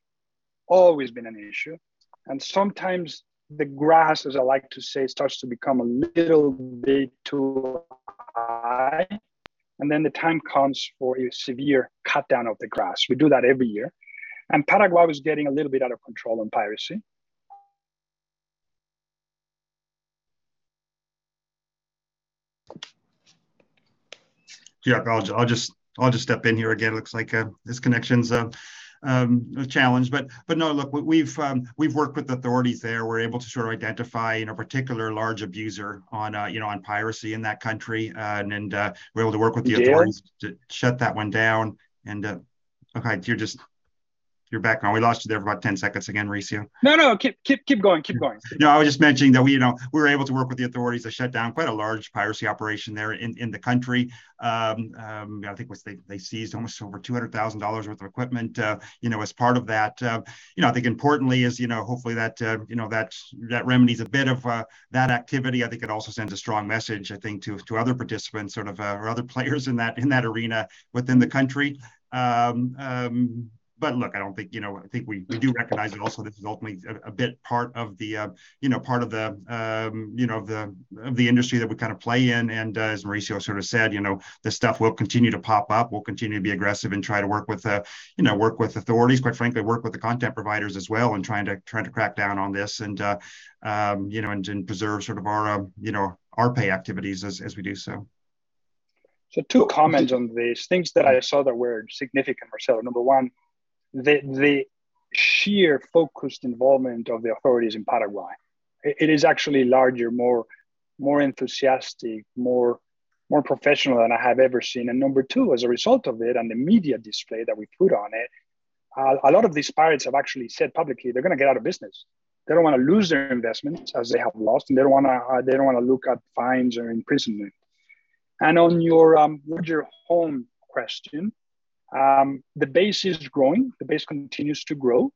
Sometimes the grass, as I like to say, starts to become a little bit too high, and then the time comes for a severe cut down of the grass. We do that every year, and Paraguay was getting a little bit out of control on piracy. Yeah. I'll just step in here again. It looks like his connection's challenged. No, look, we've worked with authorities there. We're able to sort of identify a particular large abuser of, you know, piracy in that country, and we're able to work with the authorities. You did? To shut that one down and, okay, you're back on. We lost you there for about 10 seconds again, Mauricio. No, no. Keep going. Keep going. No, I was just mentioning that we, you know, were able to work with the authorities to shut down quite a large piracy operation there in the country. I think what they seized almost over $200,000 worth of equipment, you know, as part of that. I think importantly is, you know, hopefully that remedies a bit of that activity. I think it also sends a strong message, I think to other participants sort of or other players in that arena within the country. Look, I don't think, you know, I think we do recognize that also this is ultimately a big part of the industry that we kind of play in. As Mauricio sort of said, you know, this stuff will continue to pop up. We'll continue to be aggressive and try to work with authorities, quite frankly work with the content providers as well in trying to crack down on this and preserve sort of our, you know, our pay activities as we do so. Two comments on this. Things that I saw that were significant Marcelo. Number one, the sheer focused involvement of the authorities in Paraguay. It is actually larger, more enthusiastic, more professional than I have ever seen. Number two, as a result of it and the media display that we put on it, a lot of these pirates have actually said publicly they're gonna get out of business. They don't wanna lose their investments as they have lost, and they don't wanna look at fines or imprisonment. On your home question, the base is growing. The base continues to grow.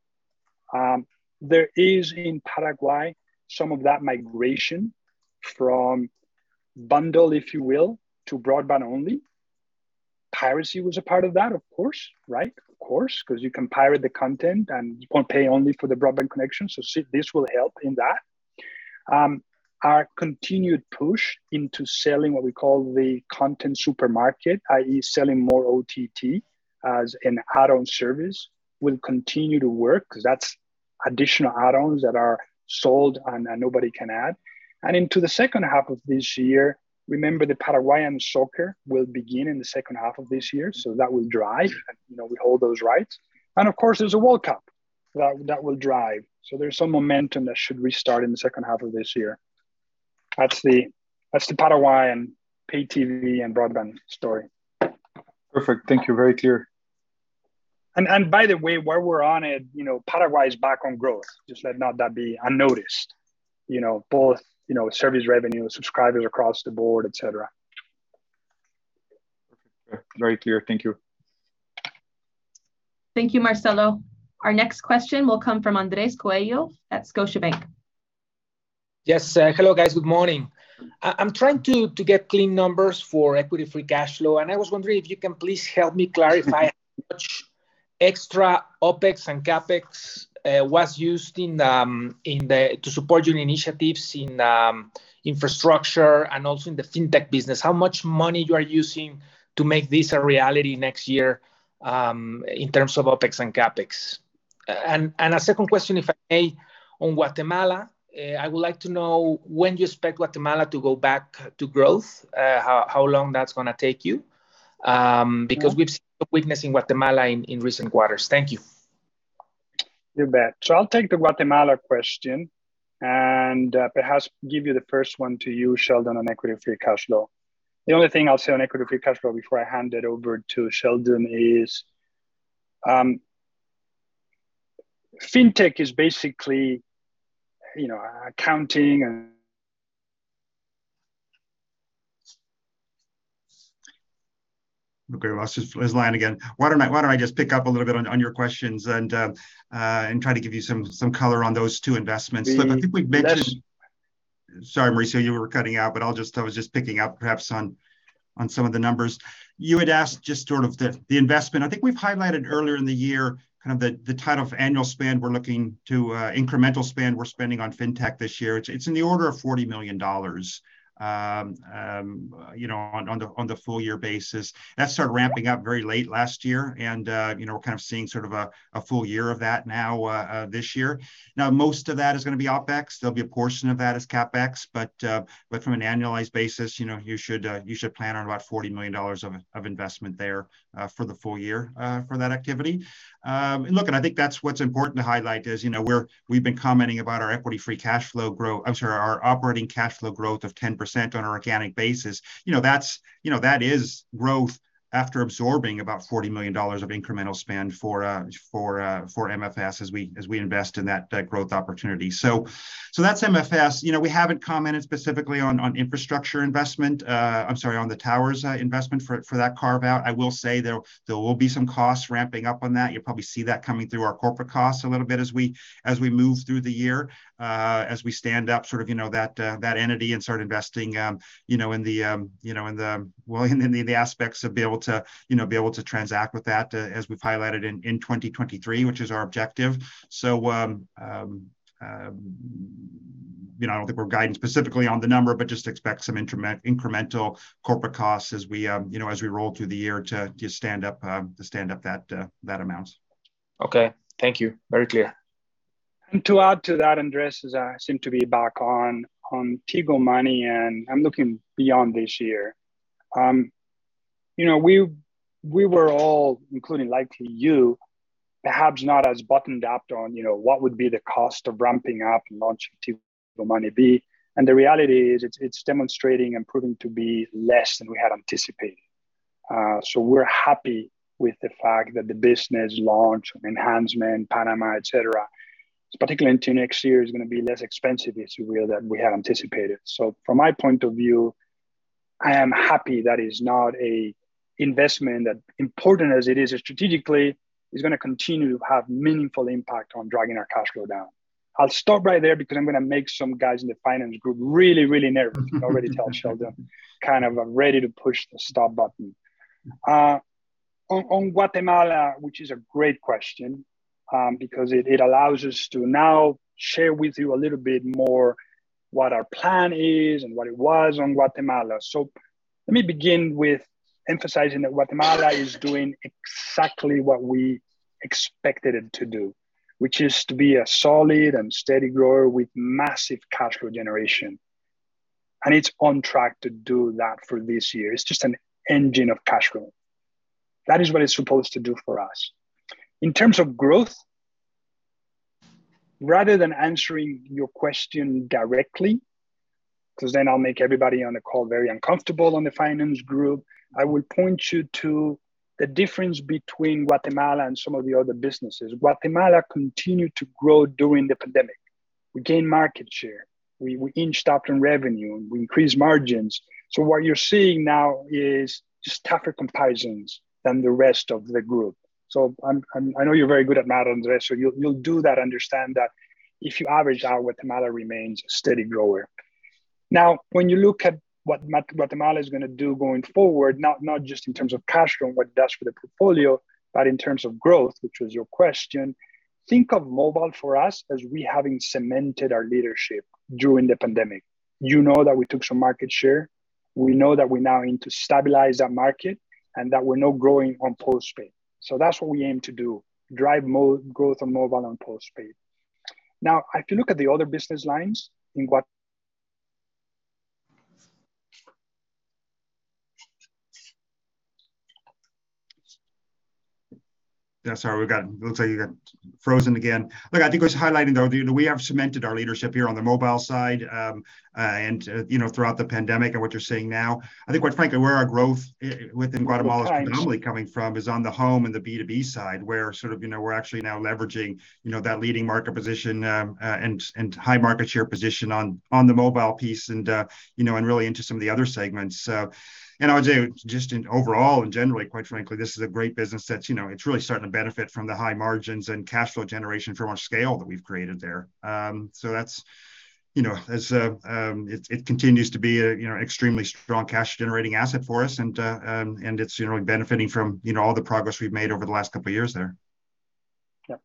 There is in Paraguay some of that migration from bundle, if you will, to broadband only. Piracy was a part of that, of course, right? Of course, because you can pirate the content and you can pay only for the broadband connection. This will help in that. Our continued push into selling what we call the content supermarket, i.e., selling more OTT as an add-on service, will continue to work, because that's additional add-ons that are sold and nobody can add. Into the second half of this year, remember the Paraguayan soccer will begin in the second half of this year, so that will drive. You know, we hold those rights. Of course, there's a World Cup that will drive. There's some momentum that should restart in the second half of this year. That's the Paraguayan pay TV and broadband story. Perfect. Thank you. Very clear. By the way, while we're on it, you know, Paraguay is back on growth. Just let that not be unnoticed. You know, both, you know, service revenue, subscribers across the board, et cetera. Very clear. Thank you. Thank you, Marcelo. Our next question will come from Andres Coello at Scotiabank. Yes. Hello guys. Good morning. I'm trying to get clean numbers for equity free cash flow, and I was wondering if you can please help me clarify how much extra OpEx and CapEx was used to support your initiatives in infrastructure and also in the fintech business. How much money you are using to make this a reality next year in terms of OpEx and CapEx? A second question, if I may, on Guatemala. I would like to know when you expect Guatemala to go back to growth, how long that's gonna take you. Well- because we've seen a weakness in Guatemala in recent quarters. Thank you. You bet. I'll take the Guatemala question and perhaps give you the first one to you, Sheldon, on equity free cash flow. The only thing I'll say on equity free cash flow before I hand it over to Sheldon is, fintech is basically, you know, accounting and Okay. We lost his line again. Why don't I just pick up a little bit on your questions and try to give you some color on those two investments. The, the- Look, I think we've mentioned. Sorry, Mauricio, you were cutting out, but I'll just, I was just picking up perhaps on some of the numbers. You had asked just sort of the investment. I think we've highlighted earlier in the year kind of the total annual spend we're looking to, incremental spend we're spending on fintech this year. It's in the order of $40 million, you know, on the full year basis. That started ramping up very late last year and, you know, we're kind of seeing sort of a full year of that now, this year. Now most of that is gonna be OpEx. There'll be a portion of that as CapEx, but from an annualized basis, you know, you should plan on about $40 million of investment there for the full year for that activity. Look, I think that's what's important to highlight is, you know, we've been commenting about our operating cash flow growth of 10% on an organic basis. You know, that's, you know, that is growth after absorbing about $40 million of incremental spend for MFS as we invest in that growth opportunity. That's MFS. You know, we haven't commented specifically on the towers investment for that carve-out. I will say there will be some costs ramping up on that. You'll probably see that coming through our corporate costs a little bit as we move through the year, as we stand up sort of that entity and start investing, you know, in the aspects of being able to transact with that, as we've highlighted in 2023, which is our objective. I don't think we're guiding specifically on the number, but just expect some incremental corporate costs as we roll through the year to stand up that entity. Okay. Thank you. Very clear. To add to that, Andrés, as I seem to be back on Tigo Money, and I'm looking beyond this year. You know, we were all, including likely you, perhaps not as buttoned up on, you know, what would be the cost of ramping up and launching Tigo Money 2.0. The reality is it's demonstrating and proving to be less than we had anticipated. We're happy with the fact that the business launch, enhancement, Panama, et cetera, particularly into next year, is gonna be less expensive than we had anticipated. From my point of view, I am happy that is not a investment that important as it is strategically, is gonna continue to have meaningful impact on dragging our cash flow down. I'll stop right there because I'm gonna make some guys in the finance group really nervous. I can already tell Sheldon kind of ready to push the stop button on Guatemala, which is a great question, because it allows us to now share with you a little bit more what our plan is and what it was on Guatemala. Let me begin with emphasizing that Guatemala is doing exactly what we expected it to do, which is to be a solid and steady grower with massive cash flow generation, and it's on track to do that for this year. It's just an engine of cash flow. That is what it's supposed to do for us. In terms of growth, rather than answering your question directly, because then I'll make everybody on the call very uncomfortable on the finance group, I will point you to the difference between Guatemala and some of the other businesses. Guatemala continued to grow during the pandemic. We gained market share, we inched up in revenue, and we increased margins. What you're seeing now is just tougher comparisons than the rest of the group. I'm... I know you're very good at math, Andres, so you'll do that, understand that if you average out, Guatemala remains a steady grower. Now, when you look at what Guatemala is gonna do going forward, not just in terms of cash flow and what it does for the portfolio, but in terms of growth, which was your question, think of mobile for us as we having cemented our leadership during the pandemic. You know that we took some market share. We know that we're now in to stabilize that market and that we're now growing on postpaid. That's what we aim to do, drive growth on mobile and postpaid. Now, if you look at the other business lines in Guatemala. It looks like you got frozen again. Look, I think it was highlighting though that we have cemented our leadership here on the mobile side, you know, throughout the pandemic and what you're seeing now. I think quite frankly, where our growth within Guatemala- Is high. is predominantly coming from, on the home and the B2B side, where sort of, you know, we're actually now leveraging, you know, that leading market position and high market share position on the mobile piece and, you know, really into some of the other segments. I would say just in overall and generally, quite frankly, this is a great business that's, you know, it's really starting to benefit from the high margins and cash flow generation from our scale that we've created there. That's, you know, as it continues to be a, you know, extremely strong cash generating asset for us and it's, you know, benefiting from, you know, all the progress we've made over the last couple of years there. Yeah.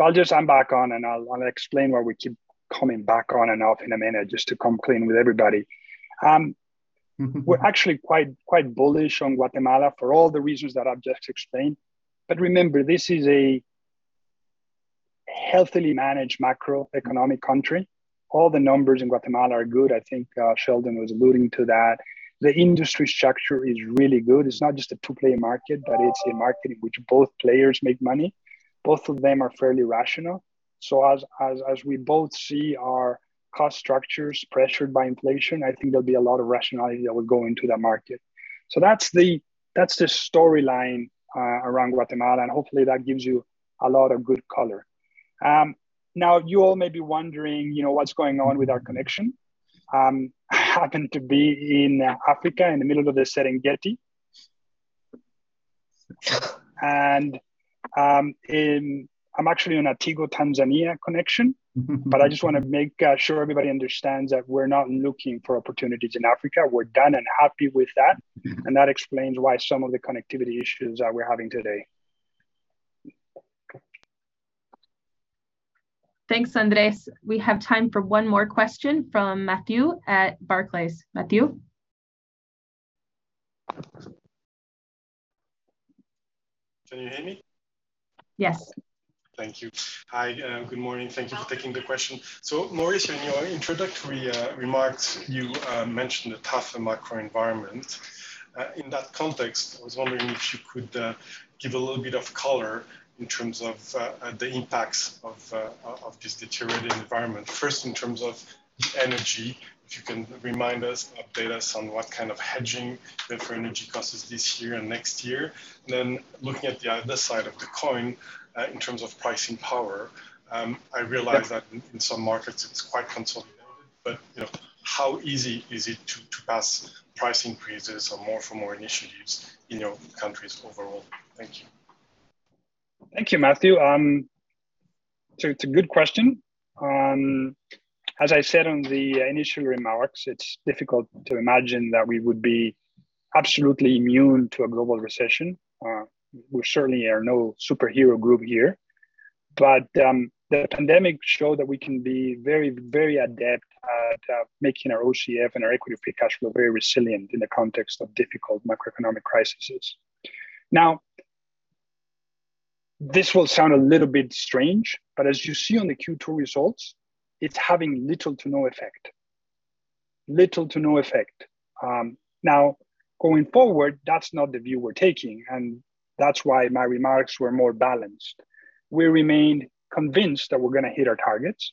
I'll just come back on and I'll explain why we keep coming back on and off in a minute, just to come clean with everybody. Mm-hmm We're actually quite bullish on Guatemala for all the reasons that I've just explained. Remember, this is a healthily managed macroeconomic country. All the numbers in Guatemala are good. I think, Sheldon was alluding to that. The industry structure is really good. It's not just a two-player market, but it's a market in which both players make money. Both of them are fairly rational. As we both see our cost structures pressured by inflation, I think there'll be a lot of rationality that will go into that market. That's the storyline around Guatemala, and hopefully that gives you a lot of good color. Now you all may be wondering, you know, what's going on with our connection. I happen to be in Africa in the middle of the Serengeti. In...I'm actually on a Tigo Tanzania connection. Mm-hmm. I just wanna make sure everybody understands that we're not looking for opportunities in Africa. We're done and happy with that. Mm-hmm. That explains why some of the connectivity issues that we're having today. Thanks, Andres. We have time for one more question from Matthew at Barclays. Matthew? Can you hear me? Yes. Thank you. Hi good morning. Thank you for taking the question. Mauricio, in your introductory remarks, you mentioned a tougher macro environment. In that context, I was wondering if you could give a little bit of color in terms of the impacts of this deteriorating environment. First, in terms of the energy, if you can remind us, update us on what kind of hedging you have for energy costs this year and next year. Looking at the other side of the coin, in terms of pricing power. Yeah I realize that in some markets it's quite consolidated, but, you know, how easy is it to pass price increases or more for more initiatives in your countries overall? Thank you. Thank you, Matthew. It's a good question. As I said on the initial remarks, it's difficult to imagine that we would be absolutely immune to a global recession. We certainly are no superhero group here. The pandemic showed that we can be very, very adept at making our OCF and our equity free cash flow very resilient in the context of difficult macroeconomic crises. Now, this will sound a little bit strange, but as you see on the Q2 results, it's having little to no effect. Little to no effect. Now going forward, that's not the view we're taking, and that's why my remarks were more balanced. We remain convinced that we're gonna hit our targets.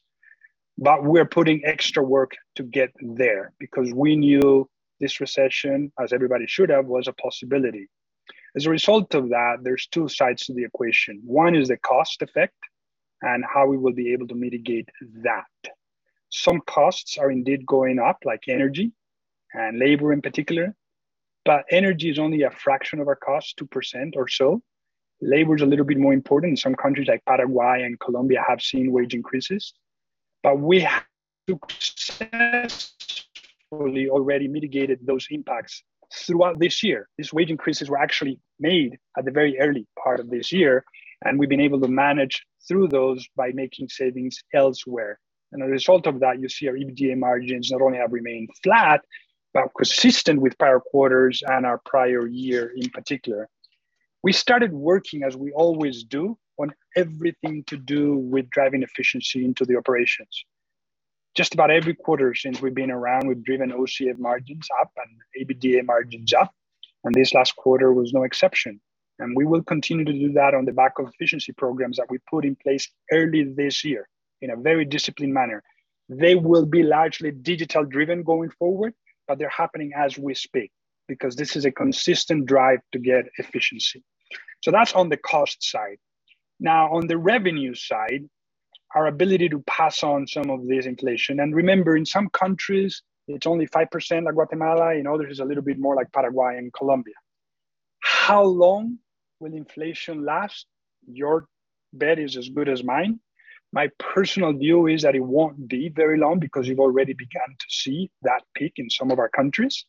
We are putting extra work to get there because we knew this recession, as everybody should have, was a possibility. As a result of that, there are two sides to the equation. One is the cost effect and how we will be able to mitigate that. Some costs are indeed going up, like energy and labor in particular, but energy is only a fraction of our cost, 2% or so. Labor is a little bit more important. Some countries like Paraguay and Colombia have seen wage increases. We have successfully already mitigated those impacts throughout this year. These wage increases were actually made at the very early part of this year, and we've been able to manage through those by making savings elsewhere. A result of that, you see our EBITDA margins not only have remained flat, but consistent with prior quarters and our prior year in particular. We started working, as we always do, on everything to do with driving efficiency into the operations. Just about every quarter since we've been around, we've driven OCF margins up and EBITDA margins up, and this last quarter was no exception. We will continue to do that on the back of efficiency programs that we put in place early this year in a very disciplined manner. They will be largely digital-driven going forward, but they're happening as we speak, because this is a consistent drive to get efficiency. That's on the cost side. Now, on the revenue side, our ability to pass on some of this inflation. Remember, in some countries it's only 5%, like Guatemala. In others it's a little bit more, like Paraguay and Colombia. How long will inflation last? Your bet is as good as mine. My personal view is that it won't be very long, because you've already began to see that peak in some of our countries.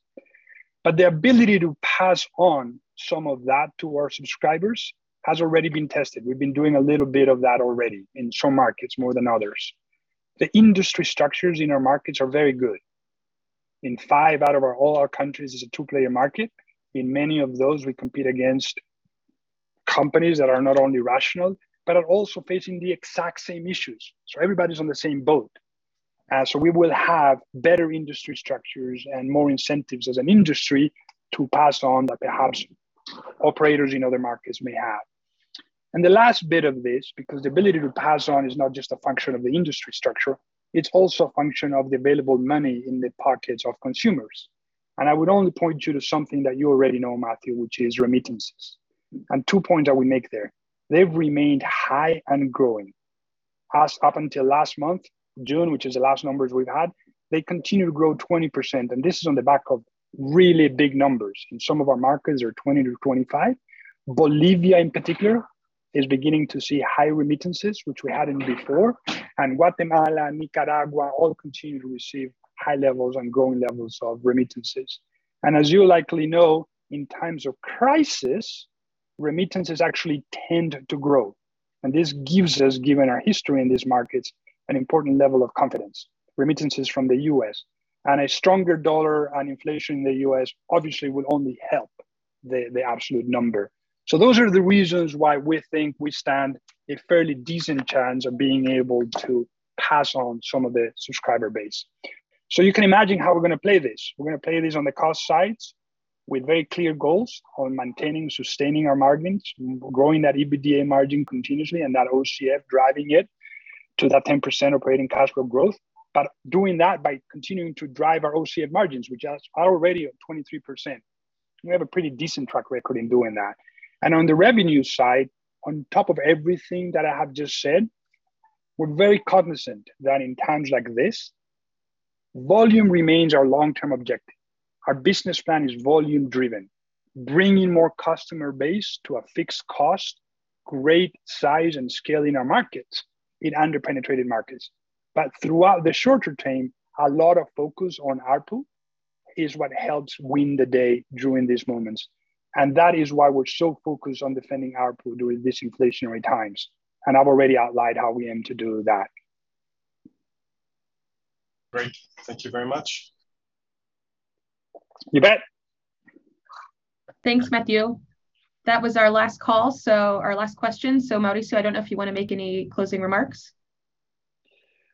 The ability to pass on some of that to our subscribers has already been tested. We've been doing a little bit of that already in some markets more than others. The industry structures in our markets are very good. In five out of all our countries is a two-player market. In many of those, we compete against companies that are not only rational, but are also facing the exact same issues, so everybody's on the same boat. So we will have better industry structures and more incentives as an industry to pass on that perhaps operators in other markets may have. The last bit of this, because the ability to pass on is not just a function of the industry structure, it's also a function of the available money in the pockets of consumers. I would only point you to something that you already know, Matthew, which is remittances. Two points I will make there. They've remained high and growing. As up until last month, June, which is the last numbers we've had, they continue to grow 20%, and this is on the back of really big numbers. In some of our markets they're 20%-25%. Bolivia in particular is beginning to see high remittances which we hadn't before. Guatemala and Nicaragua all continue to receive high levels and growing levels of remittances. As you likely know, in times of crisis, remittances actually tend to grow. This gives us, given our history in these markets, an important level of confidence. Remittances from the U.S., and a stronger dollar and inflation in the U.S. obviously would only help the absolute number. Those are the reasons why we think we stand a fairly decent chance of being able to pass on some of the subscriber base. You can imagine how we're gonna play this. We're gonna play this on the cost sides with very clear goals on maintaining, sustaining our margins, growing that EBITDA margin continuously and that OCF, driving it to that 10% operating cash flow growth. Doing that by continuing to drive our OCF margins, which are already at 23%. We have a pretty decent track record in doing that. On the revenue side, on top of everything that I have just said, we're very cognizant that in times like this, volume remains our long-term objective. Our business plan is volume driven. Bringing more customer base to a fixed cost, great size and scale in our markets, in under-penetrated markets. Throughout the shorter term, a lot of focus on ARPU is what helps win the day during these moments, and that is why we're so focused on defending ARPU during these inflationary times. I've already outlined how we aim to do that. Great. Thank you very much. You bet. Thanks Matthew. That was our last call. Our last question, so Mauricio, I don't know if you wanna make any closing remarks.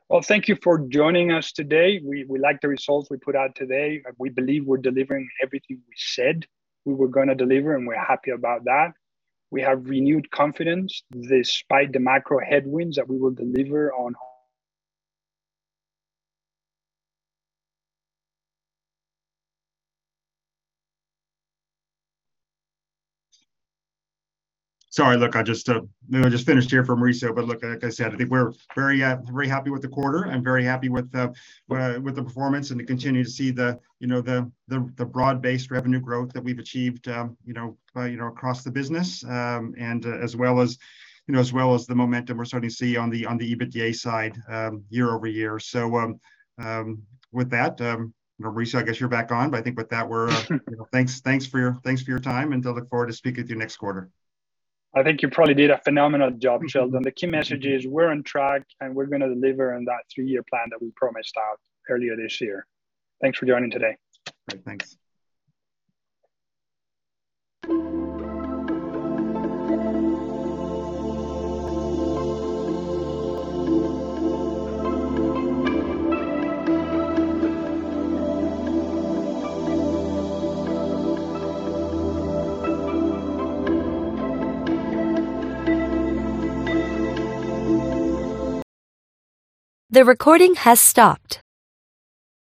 Well, thank you for joining us today. We like the results we put out today. We believe we're delivering everything we said we were gonna deliver, and we're happy about that. We have renewed confidence, despite the macro headwinds, that we will deliver on. Sorry. Look, I just, you know, just finished here from Mauricio. Look, like I said, I think we're very happy with the quarter. I'm very happy with the performance and to continue to see the, you know, the broad-based revenue growth that we've achieved, you know, across the business. As well as, you know, the momentum we're starting to see on the EBITDA side, year over year. With that, you know, Mauricio, I guess you're back on. I think with that. You know, thanks for your time, and I look forward to speaking with you next quarter. I think you probably did a phenomenal job Sheldon. The key message is we're on track, and we're gonna deliver on that three-year plan that we promised out earlier this year. Thanks for joining today. Great. Thanks.